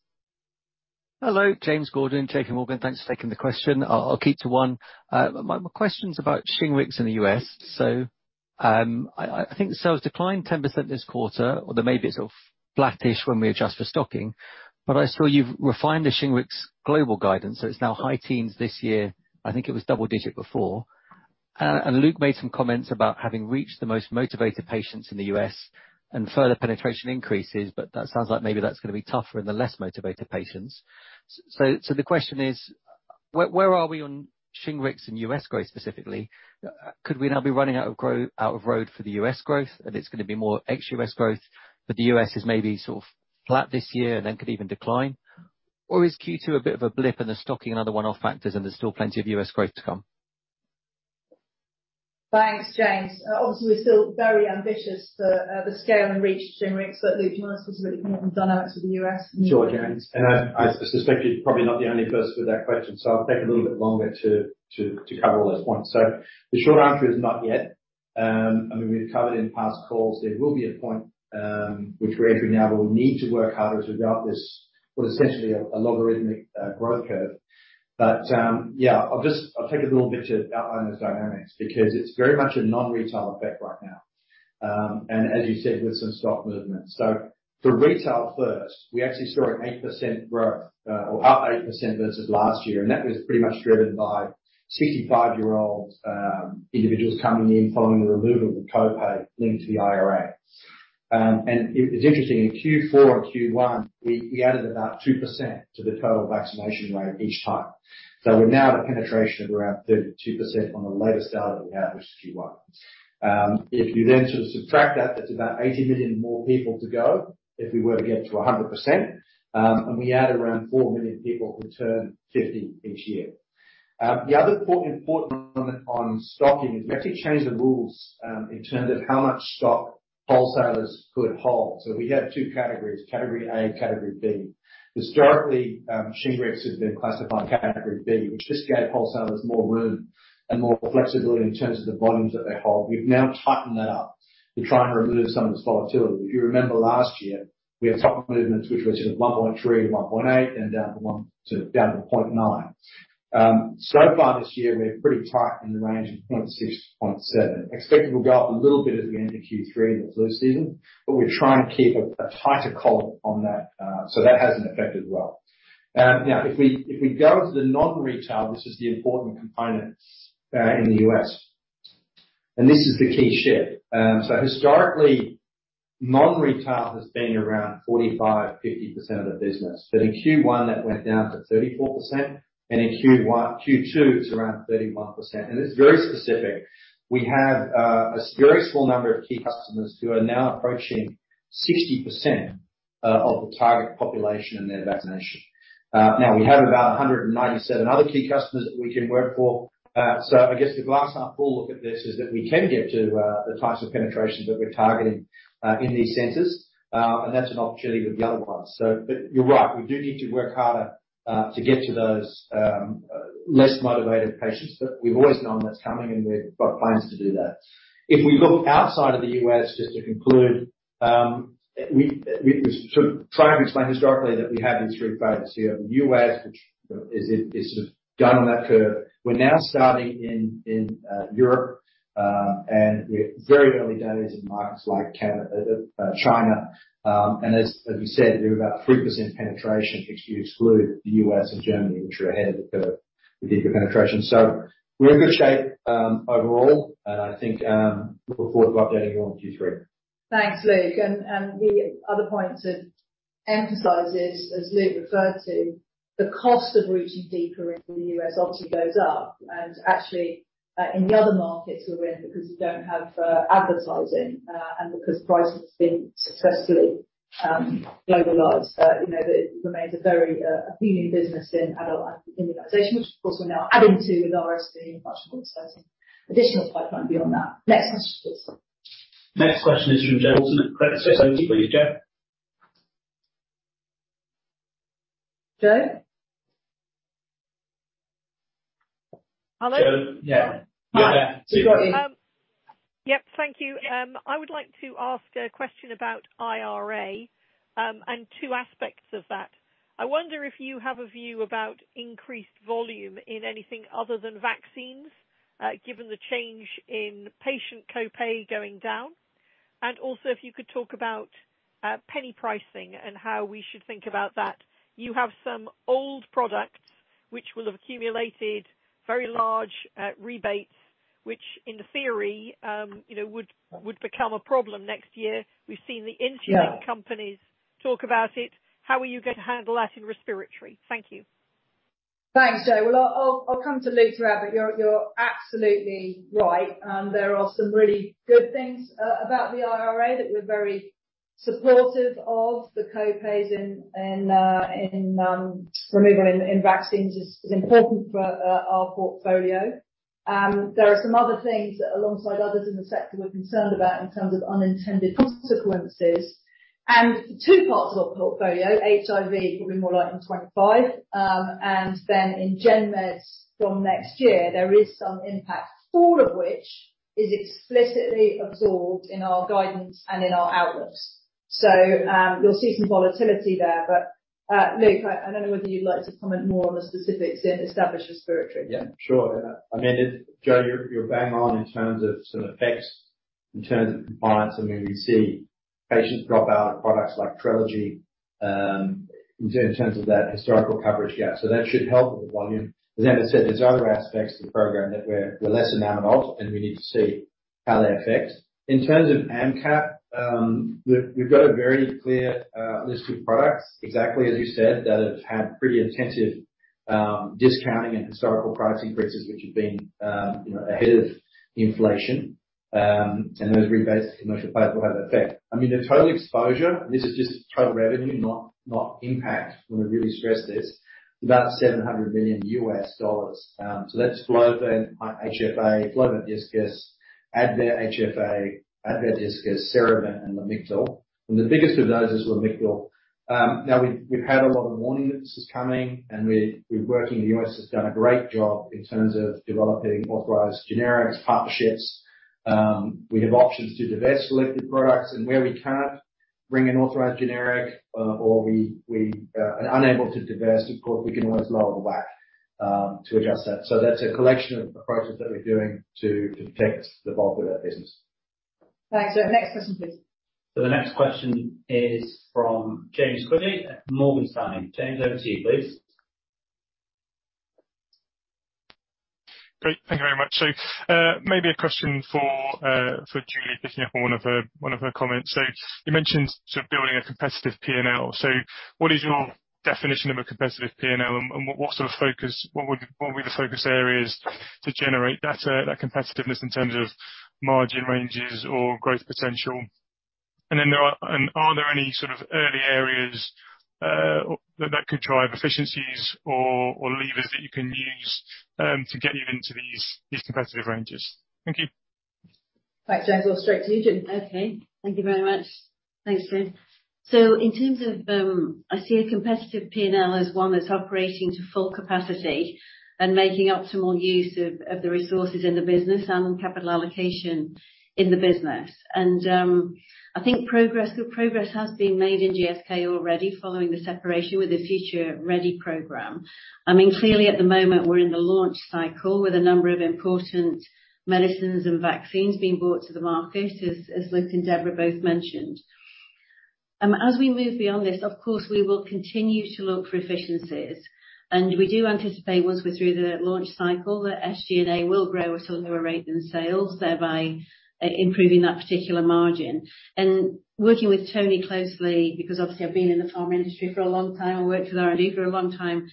Hello, James Gordon, J.P. Morgan. Thanks for taking the question. I'll keep to one. My question's about Shingrix in the U.S. I think sales declined 10% this quarter, or maybe it's sort of flattish when we adjust for stocking, but I saw you've refined the Shingrix global guidance, so it's now high teens this year. I think it was double digit before. And Luke made some comments about having reached the most motivated patients in the U.S. and further penetration increases, but that sounds like maybe that's going to be tougher in the less motivated patients. So the question is: where are we on Shingrix in U.S. growth specifically? Could we now be running out of road for the U.S. growth, and it's going to be more ex-U.S. growth, but the U.S. is maybe sort of flat this year and then could even decline? Is Q2 a bit of a blip in the stocking and other one-off factors, and there's still plenty of U.S. growth to come? Thanks, James. obviously, we're still very ambitious for, the scale and reach of Shingrix, but Luke, do you want to specifically comment on the dynamics of the U.S.? Sure, James. I suspect you're probably not the only person with that question, so I'll take a little bit longer to cover all those points. The short answer is not yet. I mean, we've covered in past calls, there will be a point, which we're entering now, where we'll need to work harder to go up this, what essentially a logarithmic growth curve. Yeah, I'll take a little bit to outline those dynamics because it's very much a non-retail effect right now. As you said, with some stock movements. For retail first, we actually saw an 8% growth, or up 8% versus last year, and that was pretty much driven by 65-year-olds, individuals coming in following the removal of the co-pay linked to the IRA. It's interesting, in Q4 and Q1, we added about 2% to the total vaccination rate each time. We're now at a penetration of around 32% on the latest data that we have, which is Q1. If you then sort of subtract that's about 80 million more people to go if we were to get to 100%, and we add around 4 million people who turn 50 each year. The other important one on stocking is we actually changed the rules, in terms of how much stock wholesalers could hold. We have 2 categories, category A and category B. Historically, Shingrix has been classified category B, which just gave wholesalers more room and more flexibility in terms of the volumes that they hold. We've now tightened that up to try and remove some of this volatility. If you remember last year, we had stock movements, which were sort of 1.3, 1.8, and down to 1, to down to 0.9. So far this year, we're pretty tight in the range of 0.6 to 0.7. Expect it will go up a little bit at the end of Q3 in the flu season, but we're trying to keep a tighter collar on that. That has an effect as well. Now, if we go to the non-retail, this is the important component in the U.S., and this is the key share. Historically, non-retail has been around 45%-50% of the business, but in Q1, that went down to 34%, and in Q2, it's around 31%. It's very specific. We have a very small number of key customers who are now approaching 60% of the target population in their vaccination. Now, we have about 197 other key customers that we can work for. I guess the glass half full look at this is that we can get to the types of penetration that we're targeting in these centers. That's an opportunity with the other ones. You're right, we do need to work harder to get to those less motivated patients, but we've always known that's coming, and we've got plans to do that. If we look outside of the U.S., just to conclude, we sort of try and explain historically that we have these three phases here. The U.S., which, you know, is sort of done on that curve. We're now starting in Europe, and we have very early days in markets like Canada, China. As you said, we're about 3% penetration if you exclude the U.S. and Germany, which are ahead of the curve with deeper penetration. We're in good shape overall, and I think look forward to updating you on Q3. Thanks, Luke. The other point to emphasize is, as Luke referred to, the cost of rooting deeper in the U.S. obviously goes up, and actually, in the other markets we're in, because you don't have advertising, and because pricing has been successfully globalized, you know, it remains a very appealing business in adult immunization, which of course we're now adding to with RSV and additional pipeline beyond that. Next question, please. Next question is from Jo Walton at Credit Suisse. Please, Jo. Jo? Hello? Jo, yeah. Yeah. Hi. Yep. Thank you. I would like to ask a question about IRA. Two aspects of that. I wonder if you have a view about increased volume in anything other than vaccines, given the change in patient co-pay going down, and also if you could talk about penny pricing and how we should think about that. You have some old products which will have accumulated very large rebates, which in theory, you know, would become a problem next year. We've seen the insulin- Yeah... companies talk about it. How are you going to handle that in respiratory? Thank you. Thanks, Jo. I'll come to Luke throughout, but you're absolutely right. There are some really good things about the IRA that we're very supportive of. The co-pays in removal in vaccines is important for our portfolio. There are some other things that, alongside others in the sector, we're concerned about in terms of unintended consequences. Two parts of our portfolio, HIV will be more likely in 2025, and then in gen meds from next year, there is some impact, all of which is explicitly absorbed in our guidance and in our outlooks. You'll see some volatility there, but Luke, I don't know whether you'd like to comment more on the specifics in established respiratory. Yeah, sure. I mean, Jo, you're bang on in terms of compliance, and then we see patients drop out of products like Trelegy, in terms of that historical coverage gap. That should help with the volume. As Emma said, there's other aspects to the program that we're less than optimal, and we need to see how they affect. In terms of AMCAP, we've got a very clear list of products, exactly as you said, that have had pretty intensive discounting and historical price increases, which have been, you know, ahead of inflation. Those rebates commercial pay will have effect. I mean, the total exposure, this is just total revenue, not impact. I want to really stress this, about $700 million. That's Flovent HFA, Flovent Diskus, Advair HFA, Advair Diskus, Serevent, and Lamictal. The biggest of those is Lamictal. Now, we've had a lot of warning that this is coming, and we're working. The U.S. has done a great job in terms of developing authorized generics, partnerships. We have options to divest selected products, and where we can't bring an authorized generic, or we are unable to divest, of course, we can always lower the WAC to adjust that. That's a collection of approaches that we're doing to fix the bulk of that business. Thanks. Next question, please. The next question is from James Quigley at Morgan Stanley. James, over to you, please. Great. Thank you very much. Maybe a question for Julie, picking up on one of her comments. You mentioned sort of building a competitive P&L. What is your definition of a competitive P&L, and what sort of focus areas to generate that competitiveness in terms of margin ranges or growth potential? Are there any sort of early areas that could drive efficiencies or levers that you can use to get you into these competitive ranges? Thank you. Thanks, James. I'll straight to you, Julie. Okay. Thank you very much. Thanks, James. In terms of, I see a competitive P&L as one that's operating to full capacity and making optimal use of the resources in the business and on capital allocation in the business. I think progress has been made in GSK already, following the separation with the Future Ready program. I mean, clearly, at the moment, we're in the launch cycle with a number of important medicines and vaccines being brought to the market, as Luke and Deborah both mentioned. As we move beyond this, of course, we will continue to look for efficiencies. We do anticipate, once we're through the launch cycle, that SG&A will grow at a slower rate than sales, thereby, improving that particular margin. Working with Tony closely, because obviously, I've been in the pharma industry for a long time. I worked with R&D for a long time.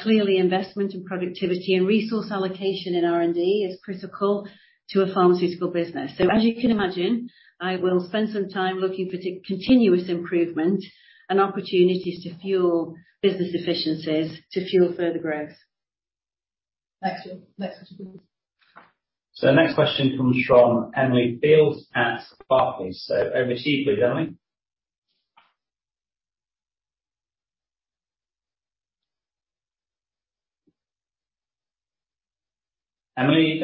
Clearly, investment in productivity and resource allocation in R&D is critical to a pharmaceutical business. As you can imagine, I will spend some time looking for continuous improvement and opportunities to fuel business efficiencies to fuel further growth. Thanks, Julie. Next question, please. The next question comes from Emily Field at Barclays. Over to you, please, Emily. Emily.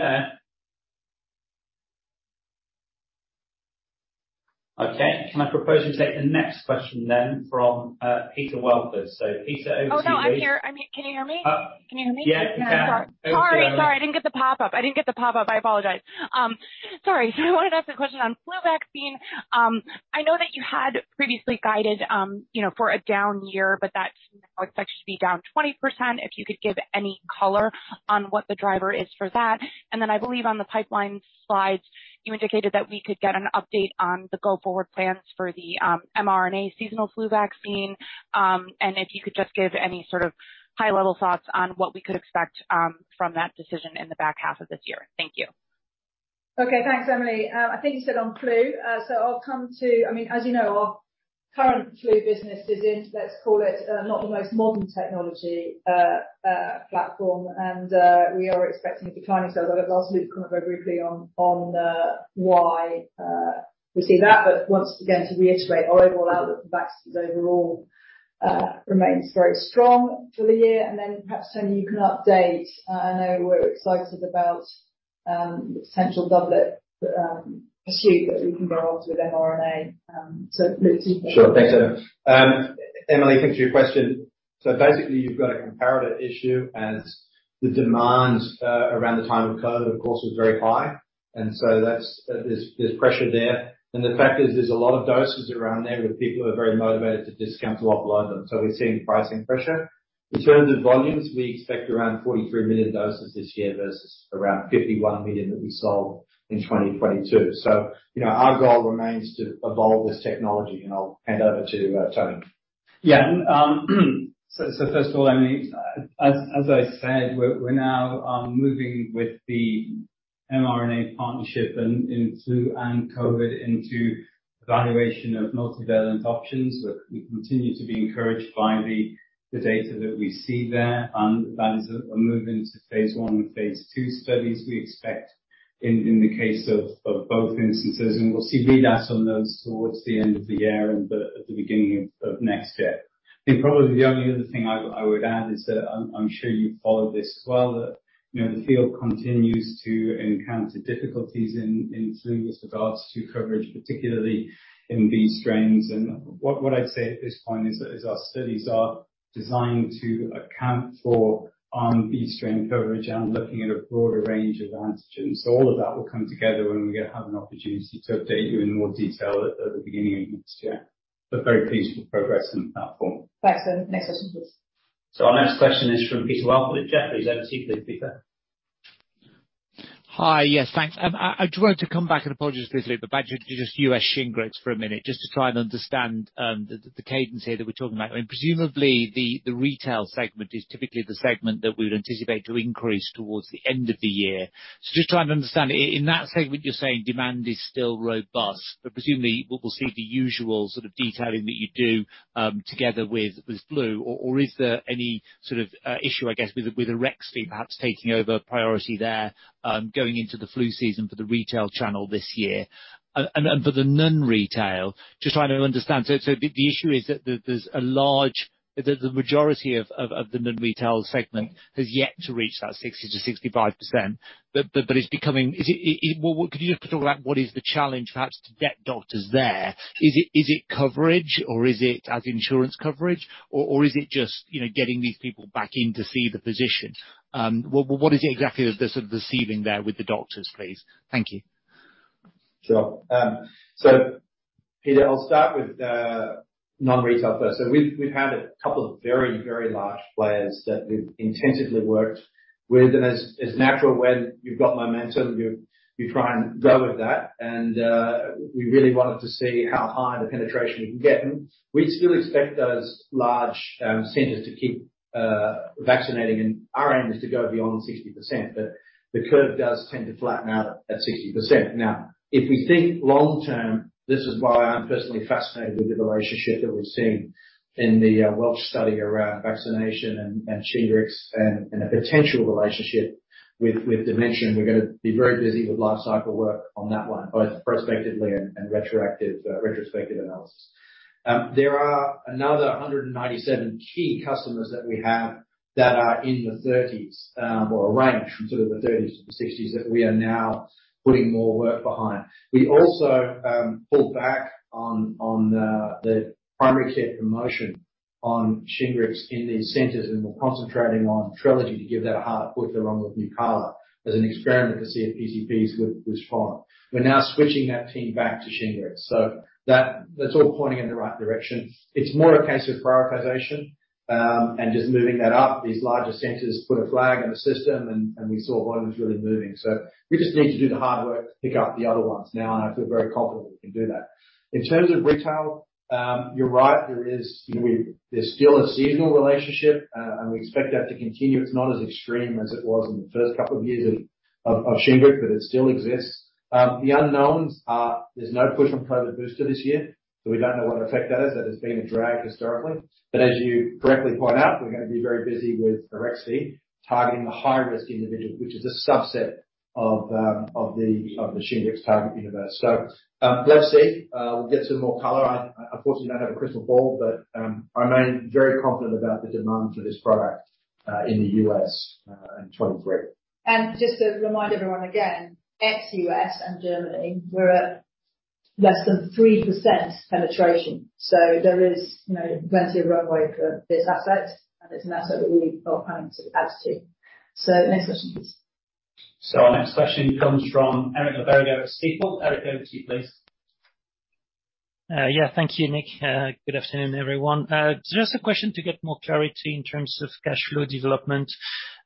Okay, can I propose we take the next question from Peter Welford? Peter, over to you please. Oh, no, I'm here. I mean, can you hear me? Uh- Can you hear me? Yeah, yeah. Sorry, I didn't get the pop-up. I didn't get the pop-up. I apologize. Sorry. I wanted to ask a question on flu vaccine. I know that you had previously guided, you know, for a down year, but that now expected to be down 20%. If you could give any color on what the driver is for that. I believe on the pipeline slides, you indicated that we could get an update on the go-forward plans for the mRNA seasonal flu vaccine. If you could just give any sort of high-level thoughts on what we could expect from that decision in the back half of this year. Thank you. Okay. Thanks, Emily. I think you said on flu. I mean, as you know, our current flu business is in, let's call it, not the most modern technology platform. We are expecting a decline. I'll ask Luke briefly on why we see that. Once again, to reiterate, our overall outlook for vaccines remains very strong for the year. Perhaps, Tony, you can update. I know we're excited about the potential doublet pursuit that we can go on with mRNA. Luke. Sure. Thanks, Emma. Emily, thanks for your question. Basically, you've got a comparative issue as the demands around the time of COVID, of course, was very high, and so that's there's pressure there. The fact is there's a lot of doses around there, but people are very motivated to discount to offload them, so we're seeing pricing pressure. In terms of volumes, we expect around 43 million doses this year versus around 51 million that we sold in 2022. You know, our goal remains to evolve this technology, and I'll hand over to Tony. Yeah, first of all, Emily, as I said, we're now moving with the mRNA partnership and in flu and COVID into evaluation of multivalent options. We continue to be encouraged by the data that we see there, and that is a move into phase I and phase II studies we expect in the case of both instances, and we'll see readouts on those towards the end of the year at the beginning of next year. I think probably the only other thing I would add is that I'm sure you've followed this as well, that, you know, the field continues to encounter difficulties in flu with regards to coverage, particularly in B strains. What I'd say at this point is that our studies are designed to account for B strain coverage and looking at a broader range of antigens. All of that will come together when we have an opportunity to update you in more detail at the beginning of next year. We're very pleased with progress in that form. Thanks. Next question, please. Our next question is from Peter Welford at Jefferies. Please, over to you, please, Peter. Hi. Yes, thanks. I just wanted to come back, and apologies for this, but back to just U.S. Shingrix for a minute, just to try and understand the cadence here that we're talking about. I mean, presumably, the retail segment is typically the segment that we would anticipate to increase towards the end of the year. Just trying to understand in that segment, you're saying demand is still robust, but presumably we will see the usual sort of detailing that you do together with flu. Is there any sort of issue, I guess, with Arexvy perhaps taking over priority there going into the flu season for the retail channel this year? For the non-retail, just trying to understand. The issue is that there's a large... The majority of the non-retail segment has yet to reach that 60%-65%. Is it, well, could you just talk about what is the challenge perhaps to get doctors there? Is it coverage or is it as insurance coverage, or is it just, you know, getting these people back in to see the physician? Well, what is it exactly that they're sort of receiving there with the doctors, please? Thank you. Sure. Peter, I'll start with non-retail first. We've had a couple of very, very large players that we've intensively worked with. As natural, when you've got momentum, you try and go with that. We really wanted to see how high the penetration we can get, and we still expect those large centers to keep vaccinating, and our aim is to go beyond 60%, but the curve does tend to flatten out at 60%. Now, if we think long term, this is why I'm personally fascinated with the relationship that we've seen in the Welsh study around vaccination and Shingrix and a potential relationship with dementia, and we're gonna be very busy with life cycle work on that one, both prospectively and retroactive retrospective analysis. There are another 197 key customers that we have that are in the 30s, or a range from sort of the 30s to the 60s, that we are now putting more work behind. We also pulled back on the primary care promotion on Shingrix in these centers, and we're concentrating on Trelegy to give that a hard push along with Nucala as an experiment to see if PCPs would respond. We're now switching that team back to Shingrix, so that's all pointing in the right direction. It's more a case of prioritization, and just moving that up. These larger centers put a flag in the system, and we saw one was really moving. We just need to do the hard work to pick up the other ones. I feel very confident we can do that. In terms of retail, you're right, there is, you know, there's still a seasonal relationship, we expect that to continue. It's not as extreme as it was in the first couple of years of Shingrix, it still exists. The unknowns are, there's no push on COVID booster this year, we don't know what effect that is. That has been a drag historically, as you correctly point out, we're gonna be very busy with Arexvy, targeting the high-risk individual, which is a subset of the Shingrix target universe. Let's see. We'll get some more color. I, unfortunately, don't have a crystal ball, I remain very confident about the demand for this product in the U.S. in 2023. Just to remind everyone again, ex-U.S. and Germany, we're at less than 3% penetration. There is, you know, plenty of runway for this asset, and it's an asset that we are planning to add to. The next question, please. Our next question comes from Eric Le Berrigaud at Stifel. Eric, over to you, please. Yeah, thank you, Nick. Good afternoon, everyone. Just a question to get more clarity in terms of cash flow development.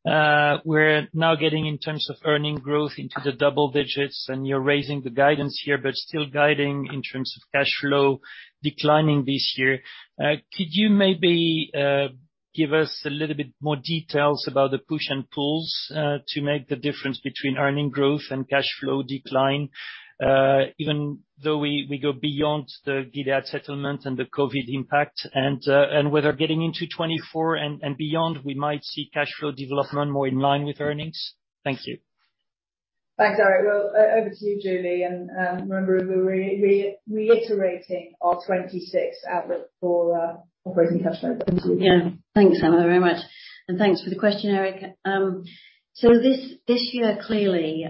We're now getting in terms of earning growth into the double digits. You're raising the guidance here, but still guiding in terms of cash flow declining this year. Could you maybe give us a little bit more details about the push and pulls to make the difference between earning growth and cash flow decline? Even though we go beyond the Gilead settlement and the COVID impact, whether getting into 2024 and beyond, we might see cash flow development more in line with earnings. Thank you. Thanks, Eric. Well, over to you, Julie, remember, we're reiterating our 2026 outlook for operating cash flow. Yeah. Thanks, Emma, very much. Thanks for the question, Eric. This year, clearly,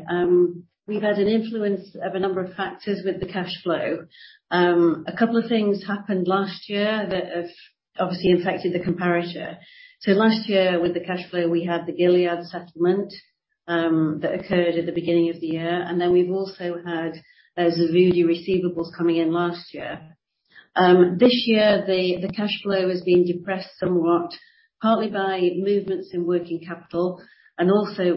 we've had an influence of a number of factors with the cash flow. A couple of things happened last year that have obviously impacted the comparator. Last year with the cash flow, we had the Gilead settlement that occurred at the beginning of the year, we've also had X blantus receivables coming in last year. This year, the cash flow has been depressed somewhat, partly by movements in working capital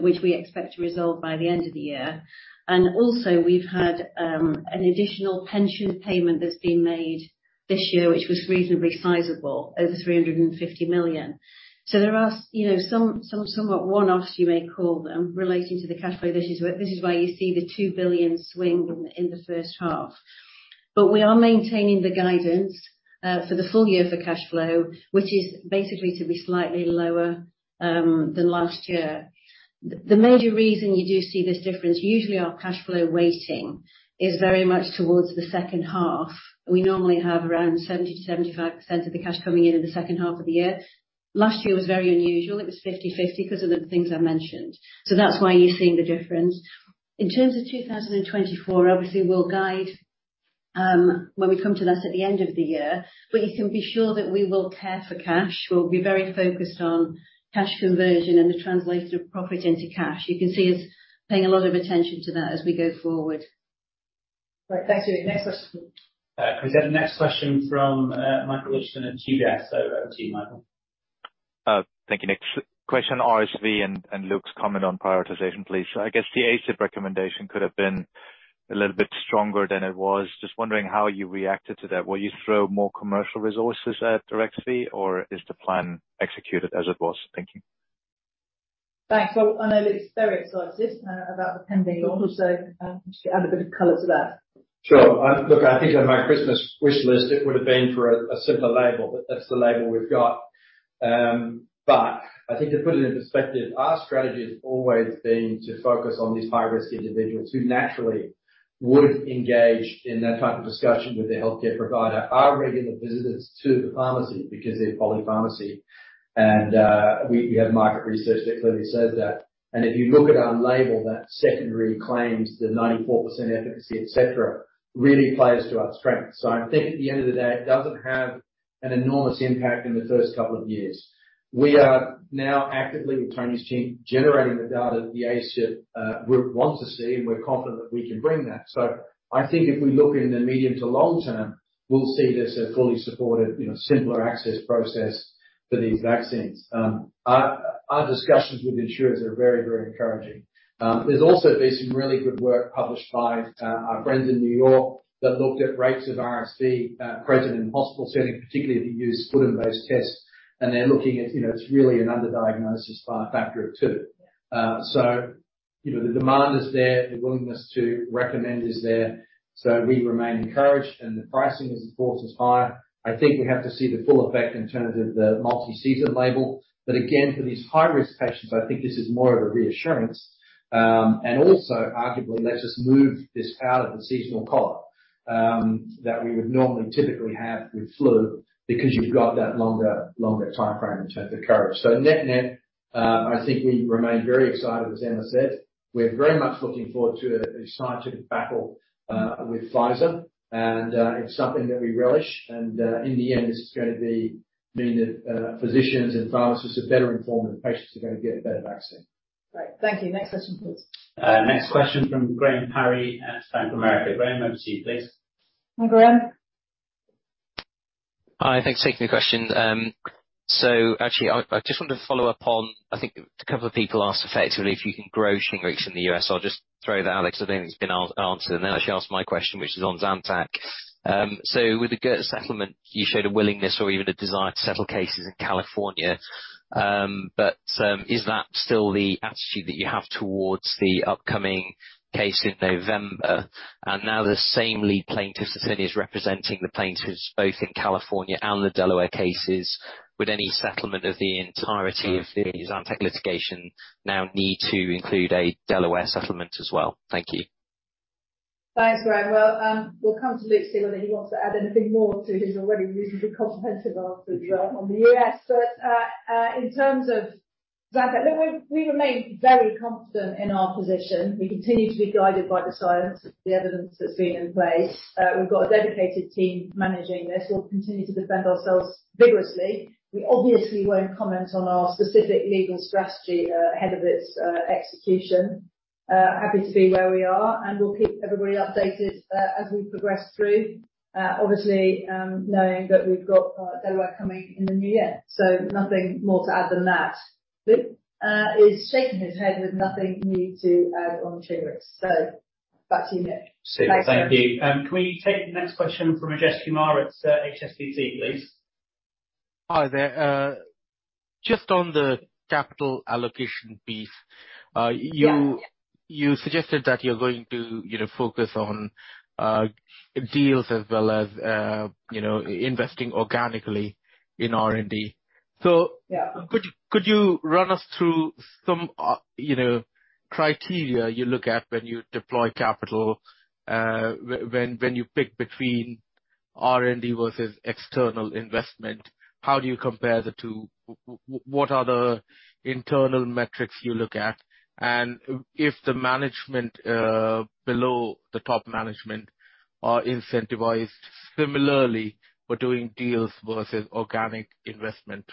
which we expect to resolve by the end of the year. Also, we've had an additional pension payment that's been made this year, which was reasonably sizable, over 350 million. There are, you know, some, somewhat one-offs, you may call them, relating to the cash flow. This is why you see the 2 billion swing in the first half. We are maintaining the guidance for the full year for cash flow, which is basically to be slightly lower than last year. The major reason you do see this difference, usually our cash flow weighting is very much towards the second half. We normally have around 70%-75% of the cash coming in the second half of the year. Last year was very unusual. It was 50/50 because of the things I mentioned. That's why you're seeing the difference. In terms of 2024, obviously, we'll guide, when we come to that at the end of the year. You can be sure that we will care for cash. We'll be very focused on cash conversion and the translation of profit into cash. You can see us paying a lot of attention to that as we go forward. Right, thank you. Next question. Can we get the next question from Michael Leuchten at UBS. Over to you, Michael. Thank you, Nick. Question RSV and Luke's comment on prioritization, please. I guess the ACIP recommendation could have been a little bit stronger than it was. Just wondering how you reacted to that. Will you throw more commercial resources at Arexvy, or is the plan executed as it was? Thank you. Thanks. Well, I know Luke's very excited about this, about the pending launch, so, just add a bit of color to that. Sure. Look, I think on my Christmas wish list, it would have been for a simpler label, but that's the label we've got. I think to put it in perspective, our strategy has always been to focus on these high-risk individuals who naturally would engage in that type of discussion with their healthcare provider, are regular visitors to the pharmacy because they're polypharmacy. We have market research that clearly says that. If you look at our label, that secondary claims, the 94% efficacy, et cetera, really plays to our strength. I think at the end of the day, it doesn't have an enormous impact in the first couple of years. We are now actively, with Tony's team, generating the data that the ACIP group wants to see, and we're confident that we can bring that. I think if we look in the medium to long term, we'll see this a fully supported, you know, simpler access process for these vaccines. Our discussions with insurers are very, very encouraging. There's also been some really good work published by our friends in New York, that looked at rates of RSV present in hospital setting, particularly if you use purine-based tests. They're looking at, you know, it's really an underdiagnosis by a factor of two. The demand is there, the willingness to recommend is there, so we remain encouraged, and the pricing, of course, is higher. I think we have to see the full effect in terms of the multi-season label. Again, for these high-risk patients, I think this is more of a reassurance. Also, arguably, lets us move this out of the seasonal collar, that we would normally typically have with flu, because you've got that longer timeframe in terms of coverage. Net-net, I think we remain very excited, as Emma said. We're very much looking forward to the strategic battle, with Pfizer, and it's something that we relish, and in the end, this is gonna mean that, physicians and pharmacists are better informed, and patients are gonna get a better vaccine. Great. Thank you. Next question, please. Next question from Graham Parry at Bank of America. Graham, over to you, please. Hi, Graham. Hi, thanks for taking the question. Actually, I just wanted to follow up on, I think a couple of people asked effectively if you can grow Shingrix in the U.S.. I'll just throw that to Alex. I think it's been answered, and then actually ask my question, which is on Zantac. With the Goetz settlement, you showed a willingness or even a desire to settle cases in California. Is that still the attitude that you have towards the upcoming case in November? Now, the same lead plaintiff's attorney is representing the plaintiffs both in California and the Delaware cases. Would any settlement of the entirety of the Zantac litigation now need to include a Delaware settlement as well? Thank you. Thanks, Graham. Well, we'll come to Luke, see whether he wants to add anything more to his already reasonably comprehensive answers on the U.S. In terms of Zantac, look, we remain very confident in our position. We continue to be guided by the science, the evidence that's been in place. We've got a dedicated team managing this. We'll continue to defend ourselves vigorously. We obviously won't comment on our specific legal strategy ahead of its execution. Happy to be where we are, and we'll keep everybody updated as we progress through. Obviously, knowing that we've got Delaware coming in the new year, nothing more to add than that. Luke is shaking his head with nothing new to add on Shingrix. Back to you, Nick. Thank you. Can we take the next question from Rajesh Kumar at HSBC, please? Hi there. Just on the capital allocation piece. Yeah. You suggested that you're going to, you know, focus on deals as well as, you know, investing organically in R&D. Yeah. Could you run us through some, you know, criteria you look at when you deploy capital, when you pick between R&D versus external investment, how do you compare the two? What are the internal metrics you look at? If the management, below the top management are incentivized similarly for doing deals versus organic investment?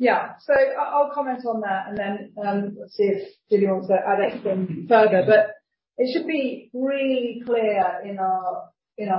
I'll comment on that, and then, let's see if Julie wants to add anything further. It should be really clear in our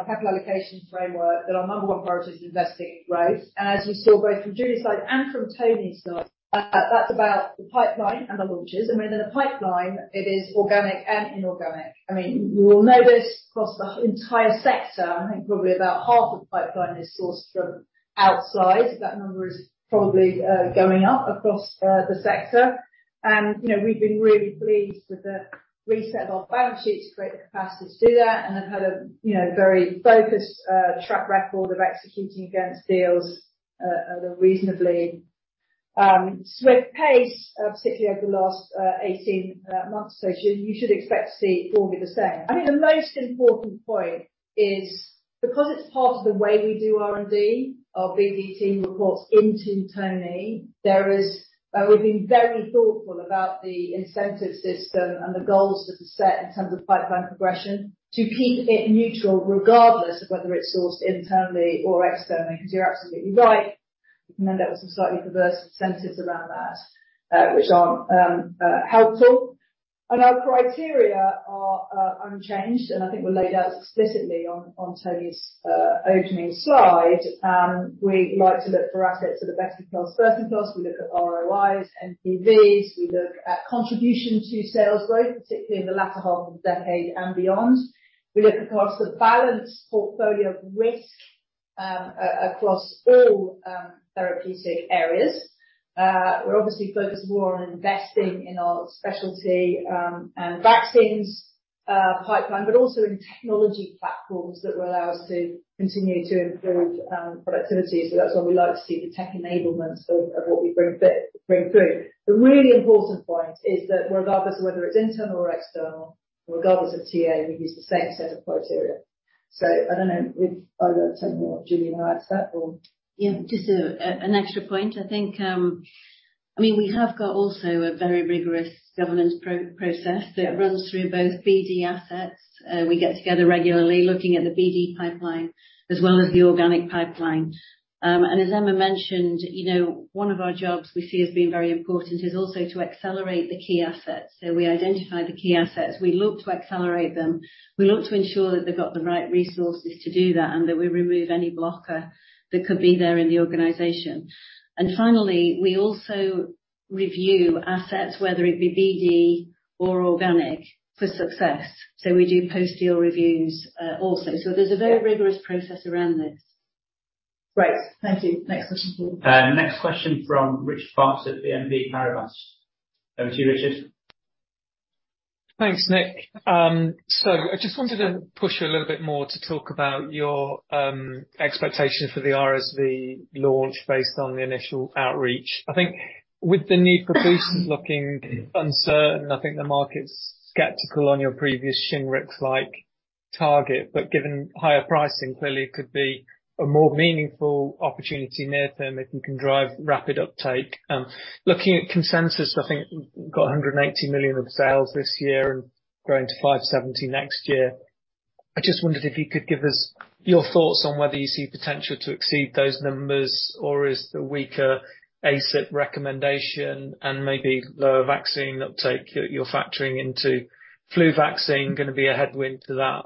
capital allocation framework that our number 1 priority is investing in growth. As you saw, both from Julie's side and from Tony's side, that's about the pipeline and the launches. I mean, in the pipeline, it is organic and inorganic. I mean, you will know this across the entire sector, I think probably about half of the pipeline is sourced from outside. That number is probably going up across the sector. You know, we've been really pleased with the reset of our balance sheet to create the capacity to do that, and have had a, you know, very focused track record of executing against deals at a reasonably swift pace, particularly over the last 18 months. You should expect to see more of the same. I think the most important point is because it's part of the way we do R&D, our BD team reports into Tony. We've been very thoughtful about the incentive system and the goals that are set in terms of pipeline progression to keep it neutral, regardless of whether it's sourced internally or externally. You're absolutely right. You can then there were some slightly perverse incentives around that, which aren't helpful. Our criteria are unchanged, and I think were laid out explicitly on Tony's opening slide. We like to look for assets that are best in class, first in class. We look at ROIs, NPVs, we look at contribution to sales growth, particularly in the latter half of the decade and beyond. We look across the balanced portfolio of risk, across all therapeutic areas. We're obviously focused more on investing in our specialty and vaccines pipeline, but also in technology platforms that will allow us to continue to improve productivity. That's why we like to see the tech enablements of what we bring through. The really important point is that regardless of whether it's internal or external, regardless of TA, we use the same set of criteria. I don't know if either Tony or Julie would like to add to that or? Yeah, just an extra point. I think, I mean, we have got also a very rigorous governance process that runs through both BD assets. We get together regularly looking at the BD pipeline as well as the organic pipeline. As Emma mentioned, you know, one of our jobs we see as being very important is also to accelerate the key assets. We identify the key assets, we look to accelerate them. We look to ensure that they've got the right resources to do that, and that we remove any blocker that could be there in the organization. Finally, we also review assets, whether it be BD or organic, for success. We do post-deal reviews also. There's a very rigorous process around this. Great. Thank you. Next question, please. Next question from Richard Parkes at the BNP Paribas. Over to you, Richard. Thanks, Nick. I just wanted to push you a little bit more to talk about your expectations for the RSV launch based on the initial outreach. I think with the need for boosters looking uncertain, I think the market's skeptical on your previous Shingrix-like target, given higher pricing, clearly it could be a more meaningful opportunity near term, if you can drive rapid uptake. Looking at consensus, I think you've got 180 million of sales this year and growing to 570 million next year. I just wondered if you could give us your thoughts on whether you see potential to exceed those numbers, or is the weaker ACIP recommendation and maybe lower vaccine uptake that you're factoring into flu vaccine going to be a headwind to that?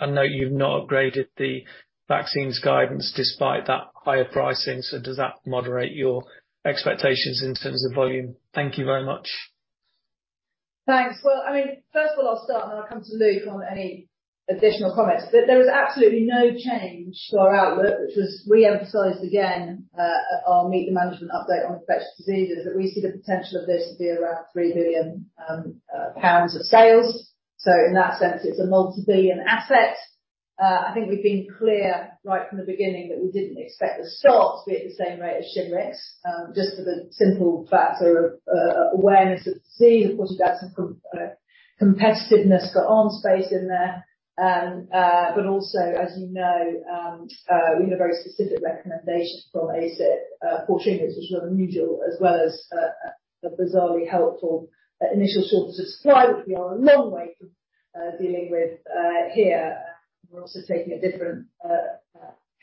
I know you've not upgraded the vaccines guidance despite that higher pricing, does that moderate your expectations in terms of volume? Thank you very much. Thanks. First of all, I'll start, and then I'll come to Luke on any additional comments. There is absolutely no change to our outlook, which was reemphasized again, at our Meet the Management update on infectious diseases, that we see the potential of this to be around 3 billion pounds of sales. In that sense, it's a multi-billion asset. I think we've been clear right from the beginning that we didn't expect the start to be at the same rate as Shingrix, just for the simple factor of awareness of the disease. Of course, you've got some competitiveness for arm space in there. Also, as you know, we had a very specific recommendations from ACIP for Shingrix, which was not unusual, as well as the bizarrely helpful initial shortage of supply, which we are a long way from dealing with here. We're also taking a different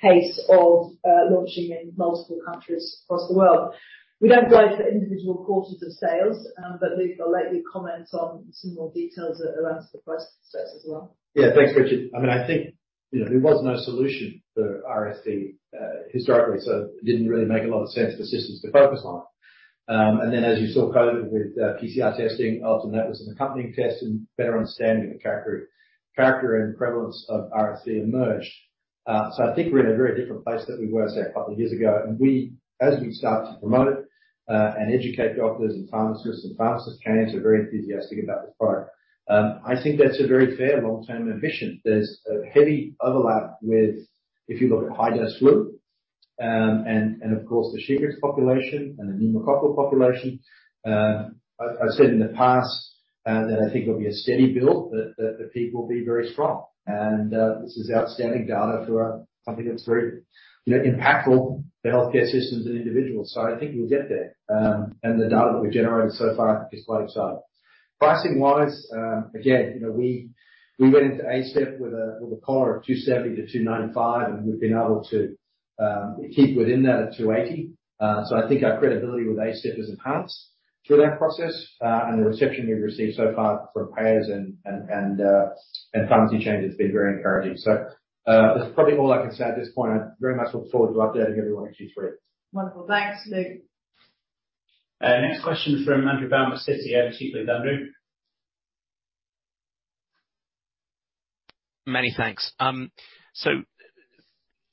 pace of launching in multiple countries across the world. We don't guide for individual quarters of sales. Luke will likely comment on some more details around the price sets as well. Yeah. Thanks, Richard. I mean, I think, you know, there was no solution for RSV historically, so it didn't really make a lot of sense for systems to focus on. As you saw COVID with PCR testing, often that was an accompanying test and better understanding of the character and prevalence of RSV emerged. I think we're in a very different place than we were, say, a couple of years ago. As we start to promote it and educate doctors and pharmacists, and pharmacists chains are very enthusiastic about this product, I think that's a very fair long-term ambition. There's a heavy overlap with if you look at high-dose flu, and of course, the Shingrix population and the pneumococcal population. I've said in the past that I think there'll be a steady build, but the peak will be very strong. This is outstanding data for something that's very, you know, impactful to healthcare systems and individuals. I think we'll get there. The data that we've generated so far is quite exciting. Pricing-wise, again, you know, we went into ACIP with a core of $270-$295, and we've been able to keep within that at $280. I think our credibility with ACIP has enhanced through that process, and the reception we've received so far from payers and pharmacy chains has been very encouraging. That's probably all I can say at this point. I very much look forward to updating everyone in Q3. Wonderful. Thanks, Luke. Next question is from Andrew Baum from Citi. Over to you, Andrew. Many thanks.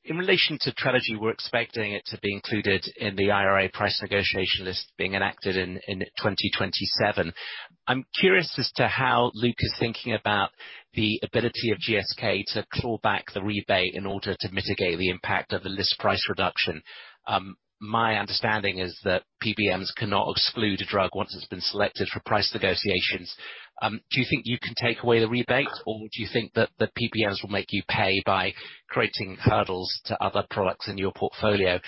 In relation to Trelegy, we're expecting it to be included in the IRA price negotiation list being enacted in 2027. I'm curious as to how Luke is thinking about the ability of GSK to claw back the rebate in order to mitigate the impact of the list price reduction. My understanding is that PBMs cannot exclude a drug once it's been selected for price negotiations. Do you think you can take away the rebates, or do you think that the PBMs will make you pay by creating hurdles to other products in your portfolio?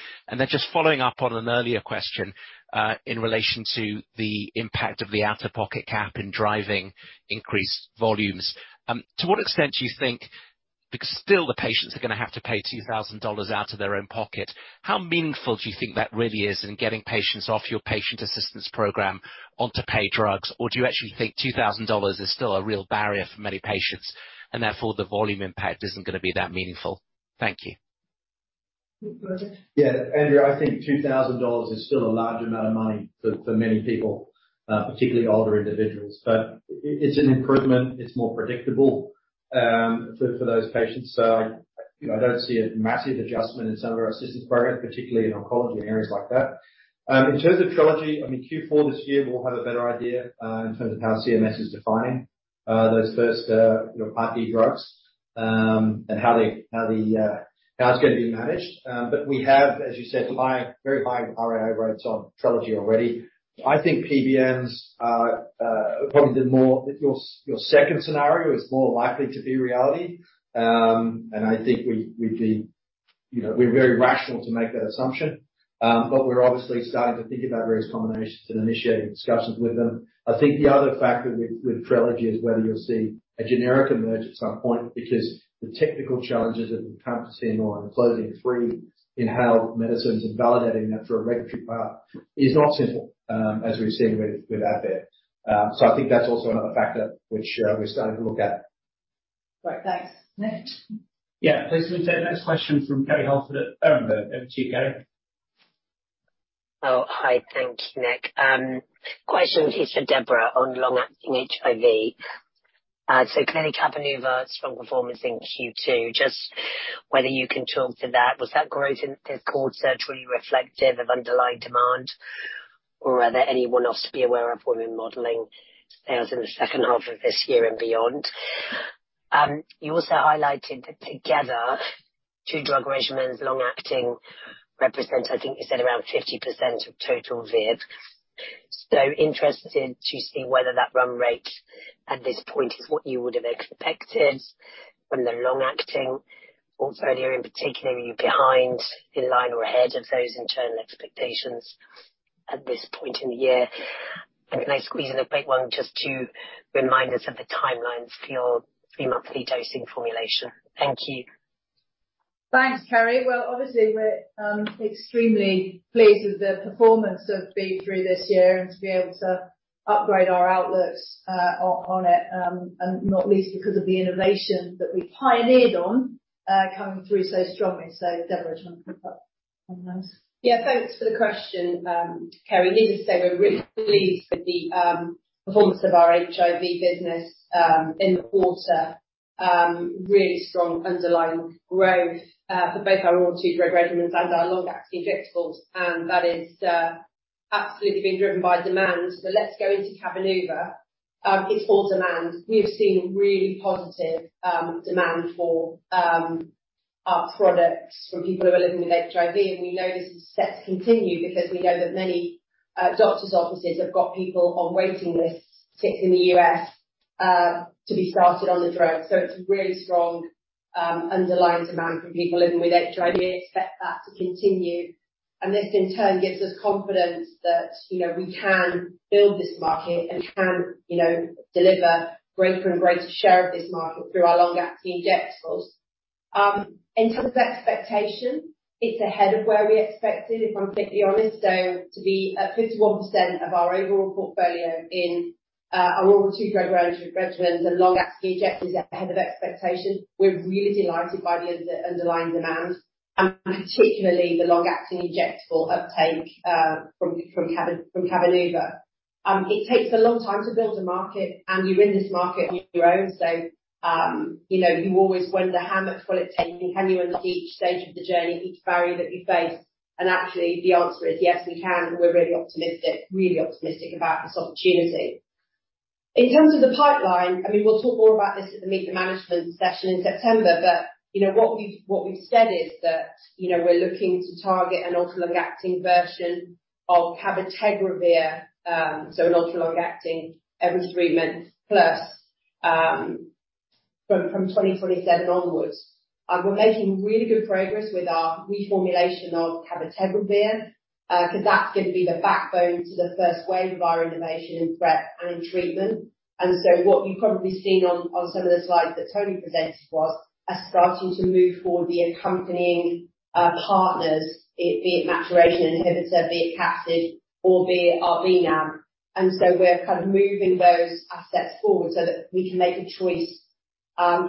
Just following up on an earlier question, in relation to the impact of the out-of-pocket cap in driving increased volumes. To what extent do you think? Because still the patients are going to have to pay $2,000 out of their own pocket. How meaningful do you think that really is in getting patients off your patient assistance program onto pay drugs? Do you actually think $2,000 is still a real barrier for many patients, and therefore, the volume impact isn't going to be that meaningful? Thank you. Andrew, I think $2,000 is still a large amount of money for many people, particularly older individuals. It's an improvement. It's more predictable for those patients. I don't see a massive adjustment in some of our assistance programs, particularly in oncology and areas like that. In terms of Trelegy, I mean, Q4 this year, we'll have a better idea in terms of how CMS is defining those first, you know, Part D drugs, and how it's going to be managed. We have, as you said, high, very high RAI rates on Trelegy already. I think PBMs are probably your second scenario is more likely to be reality. I think we'd be, you know, we're very rational to make that assumption. We're obviously starting to think about various combinations and initiating discussions with them. I think the other factor with Trelegy is whether you'll see a generic emerge at some point, because the technical challenges that we've come to see on closing three inhaled medicines and validating that for a regulatory path is not simple, as we've seen with Advair. I think that's also another factor which we're starting to look at. Great. Thanks. Nick? Yeah. Please take the next question from Kerry Holford at Berenberg. Over to you, Kerry. Hi. Thank you, Nick. Question is for Deborah on long-acting HIV. Clearly Cabenuva, strong performance in Q2. Just whether you can talk to that. Was that growth in this quarter truly reflective of underlying demand, or are there anyone else to be aware of when we're modeling sales in the second half of this year and beyond? You also highlighted that together, two drug regimens, long-acting, represents, I think you said, around 50% of total ViiV. Interested to see whether that run rate at this point is what you would have expected from the long-acting portfolio, in particular, are you behind, in line, or ahead of those internal expectations at this point in the year? Can I squeeze in a quick one just to remind us of the timelines for your 3-monthly dosing formulation? Thank you. Thanks, Kerry. Obviously, we're extremely pleased with the performance of ViiV this year and to be able to upgrade our outlooks on it, and not least because of the innovation that we pioneered on coming through so strongly. Deborah, do you want to pick up on those? Yeah. Thanks for the question, Kerry. Needless to say, we're really pleased with the performance of our HIV business in the quarter. Really strong underlying growth for both our oral two-drug regimens and our long-acting injectables, and that is absolutely being driven by demand. Let's go into Cabenuva. It's all demand. We've seen really positive demand for our products from people who are living with HIV, and we know this is set to continue because we know that many doctor's offices have got people on waiting lists, particularly in the U.S., to be started on the drug. It's a really strong underlying demand from people living with HIV, and expect that to continue. This, in turn, gives us confidence that, you know, we can build this market and can, you know, deliver greater and greater share of this market through our long-acting injectables. In terms of expectation, it's ahead of where we expected, if I'm completely honest. To be at 51% of our overall portfolio in our oral two-drug regimens and long-acting injectables is ahead of expectation. We're really delighted by the underlying demand, and particularly the long-acting injectable uptake from Cabenuva. It takes a long time to build a market, and you're in this market on your own, so, you know, you always wonder, how much will it take? Can you reach each stage of the journey, each barrier that you face? Actually, the answer is yes, we can. We're really optimistic, really optimistic about this opportunity. In terms of the pipeline, I mean, we'll talk more about this at the Meet the Management session in September, but you know, what we've said is that, you know, we're looking to target an ultra-long-acting version of cabotegravir, so an ultra-long-acting every 3 months+, from 2027 onwards. We're making really good progress with our reformulation of cabotegravir, because that's going to be the backbone to the first wave of our innovation in PrEP and in treatment. What you've probably seen on some of the slides that Tony presented was us starting to move forward the accompanying partners, be it maturation inhibitor, be it Captid, or be it Albinam. We're kind of moving those assets forward so that we can make a choice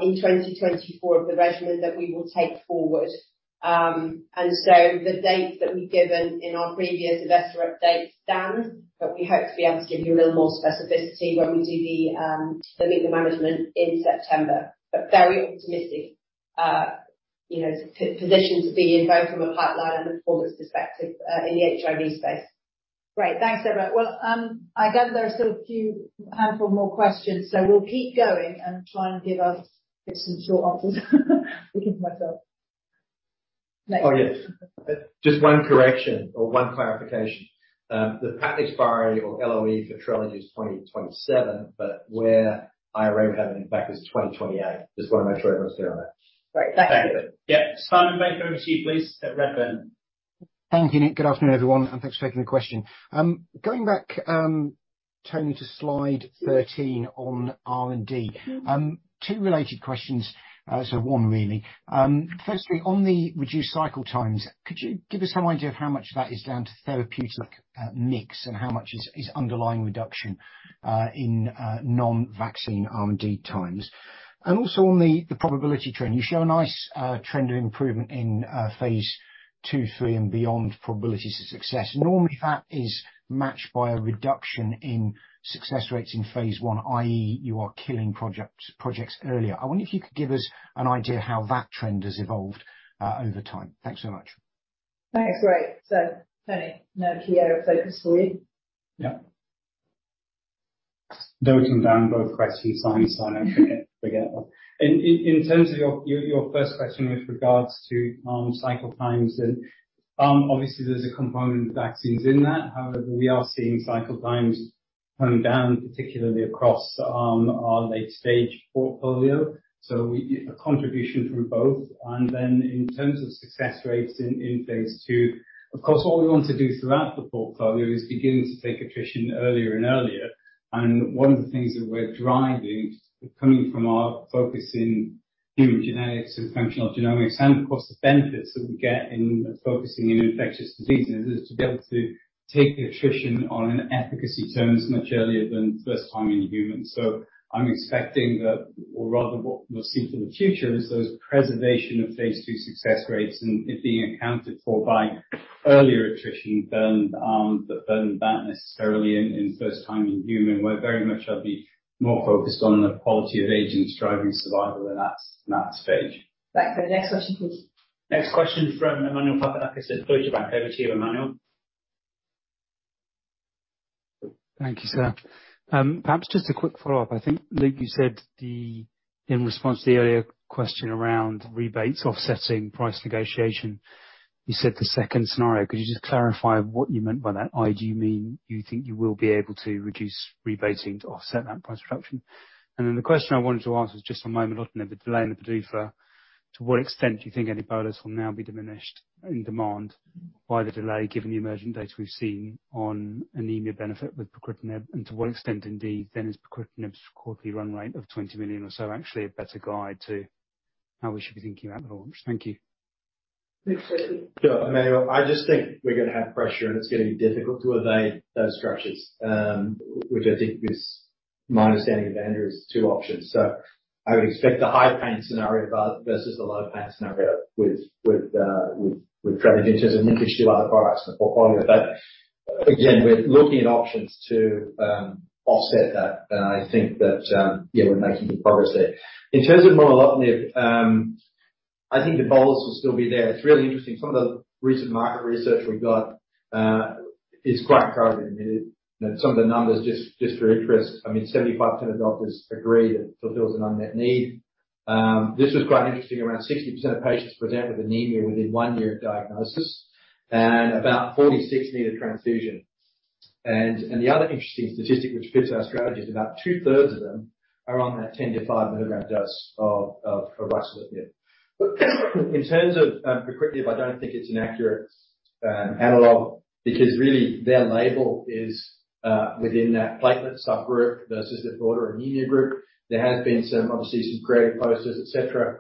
in 2024 of the regimen that we will take forward. The date that we've given in our previous investor update stands, but we hope to be able to give you a little more specificity when we do the Meet the Management in September. Very optimistic, you know, positioned to be in both from a pipeline and a performance perspective, in the HIV space. Great. Thanks, Deborah. Well, I gather there are still a few handful more questions, so we'll keep going and try and give us some short answers. Speaking for myself. Nick. Oh, yes. Just one correction or one clarification. The patent expiry or LOE for Trelegy is 2027, but where I remember having it back is 2028. Just want to make sure everyone's clear on that. Great. Thank you. Yeah. Simon Baker, over to you, please at Redburn. Thank you, Nick. Good afternoon, everyone, thanks for taking the question. Going back, Tony, to Slide 13 on R&D. Two related questions, so 1 really. Firstly, on the reduced cycle times, could you give us some idea of how much of that is down to therapeutic mix and how much is underlying reduction in non-vaccine R&D times? Also on the probability trend, you show a nice trend of improvement in phase II, III, and beyond probabilities of success. Normally, that is matched by a reduction in success rates in phase I, i.e., you are killing projects earlier. I wonder if you could give us an idea how that trend has evolved over time. Thanks so much. Thanks. Great. Tony, now clear focus for you. Yeah. Dotting down both questions, sign, I forget. In terms of your first question with regards to cycle times and obviously, there's a component of vaccines in that. We are seeing cycle times coming down, particularly across our late-stage portfolio, so a contribution from both. In terms of success rates in phase II, of course, what we want to do throughout the portfolio is begin to take attrition earlier and earlier. One of the things that we're driving, coming from our focus in human genetics and functional genomics, and of course, the benefits that we get in focusing in infectious diseases, is to be able to take the attrition on an efficacy terms much earlier than first time in humans. I'm expecting that, or rather, what we'll see for the future, is those preservation of phase two success rates and it being accounted for by earlier attrition than that necessarily in first time in human. We're very much likely more focused on the quality of agents driving survival in that stage. Thanks. Next question, please. Next question from Emmanuel Papadakis at Deutsche Bank. Over to you, Emmanuel. Thank you, sir. Perhaps just a quick follow-up. I think, Luke, you said the... In response to the earlier question around rebates, offsetting price negotiation, you said the second scenario. Could you just clarify what you meant by that? I.e., do you mean you think you will be able to reduce rebating to offset that price reduction? The question I wanted to ask was just on momelotinib, the delay in the PDUFA, to what extent do you think any bolus will now be diminished in demand by the delay, given the emerging data we've seen on anemia benefit with pacritinib, and to what extent, indeed, then is pacritinib's quarterly run rate of $20 million or so actually a better guide to how we should be thinking about the launch? Thank you. Next question. Sure, Emmanuel. I just think we're gonna have pressure, and it's going to be difficult to evade those scratches, which I think is my understanding of Andrew's 2 options. I would expect a high pain scenario versus a low pain scenario with traffic in terms of linkage to other products in the portfolio. Again, we're looking at options to offset that. I think that, yeah, we're making good progress there. In terms of momelotinib, I think the bolus will still be there. It's really interesting. Some of the recent market research we got is quite encouraging. I mean, some of the numbers, just for interest, I mean, 75% of doctors agree that fulfills an unmet need. This was quite interesting. Around 60% of patients present with anemia within one year of diagnosis, about 46 need a transfusion. The other interesting statistic, which fits our strategy, is about two-thirds of them are on that 10-5 milligram dose of ruxolitinib. In terms of pacritinib, I don't think it's an accurate analog, because really, their label is within that platelet subgroup versus the broader anemia group. There has been some, obviously, some great posters, et cetera,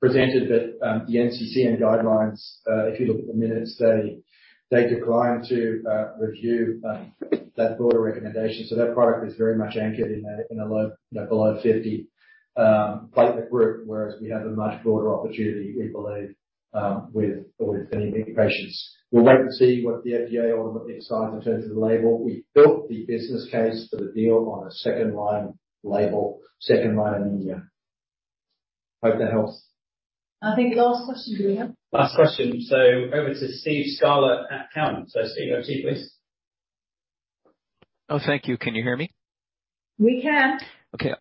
presented. The NCCN guidelines, if you look at the minutes, they declined to review that broader recommendation. That product is very much anchored in a low, you know, below 50 platelet group, whereas we have a much broader opportunity, we believe, with anemia patients. We'll wait to see what the FDA ultimately decides in terms of the label. We've built the business case for the deal on a second-line label, second-line anemia. Hope that helps. I think last question, do we have? Last question. Over to Steve Scala at Cowen. Steve, over to you, please. Oh, thank you. Can you hear me? We can. Okay,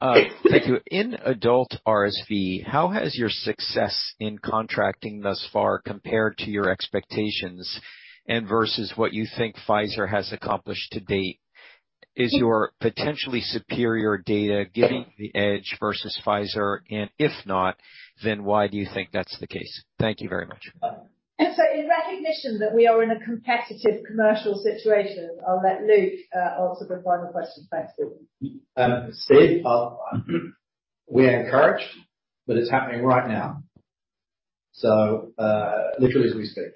thank you. In adult RSV, how has your success in contracting thus far compared to your expectations and versus what you think Pfizer has accomplished to date? Is your potentially superior data giving you the edge versus Pfizer, and if not, then why do you think that's the case? Thank you very much. In recognition that we are in a competitive commercial situation, I'll let Luke answer the final question. Thanks, Luke. Steve, we are encouraged. It's happening right now, so literally as we speak.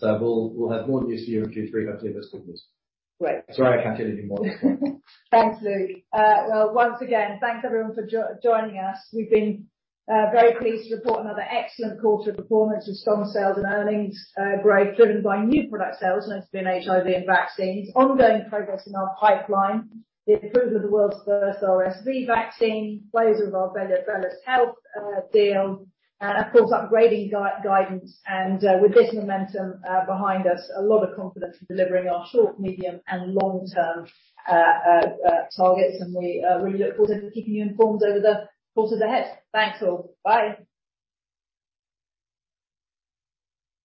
We'll have more news for you in Q3, hopefully the good news. Great. Sorry, I can't tell you more. Thanks, Luke. Well, once again, thanks everyone for joining us. We've been very pleased to report another excellent quarter of performance with strong sales and earnings growth, driven by new product sales, known as BNHIV and vaccines, ongoing progress in our pipeline, the approval of the world's first RSV vaccine, closure of our BELLUS Health deal, of course, upgrading guidance. With this momentum behind us, a lot of confidence in delivering our short, medium, and long-term targets. We really look forward to keeping you informed over the course of the head. Thanks, all. Bye.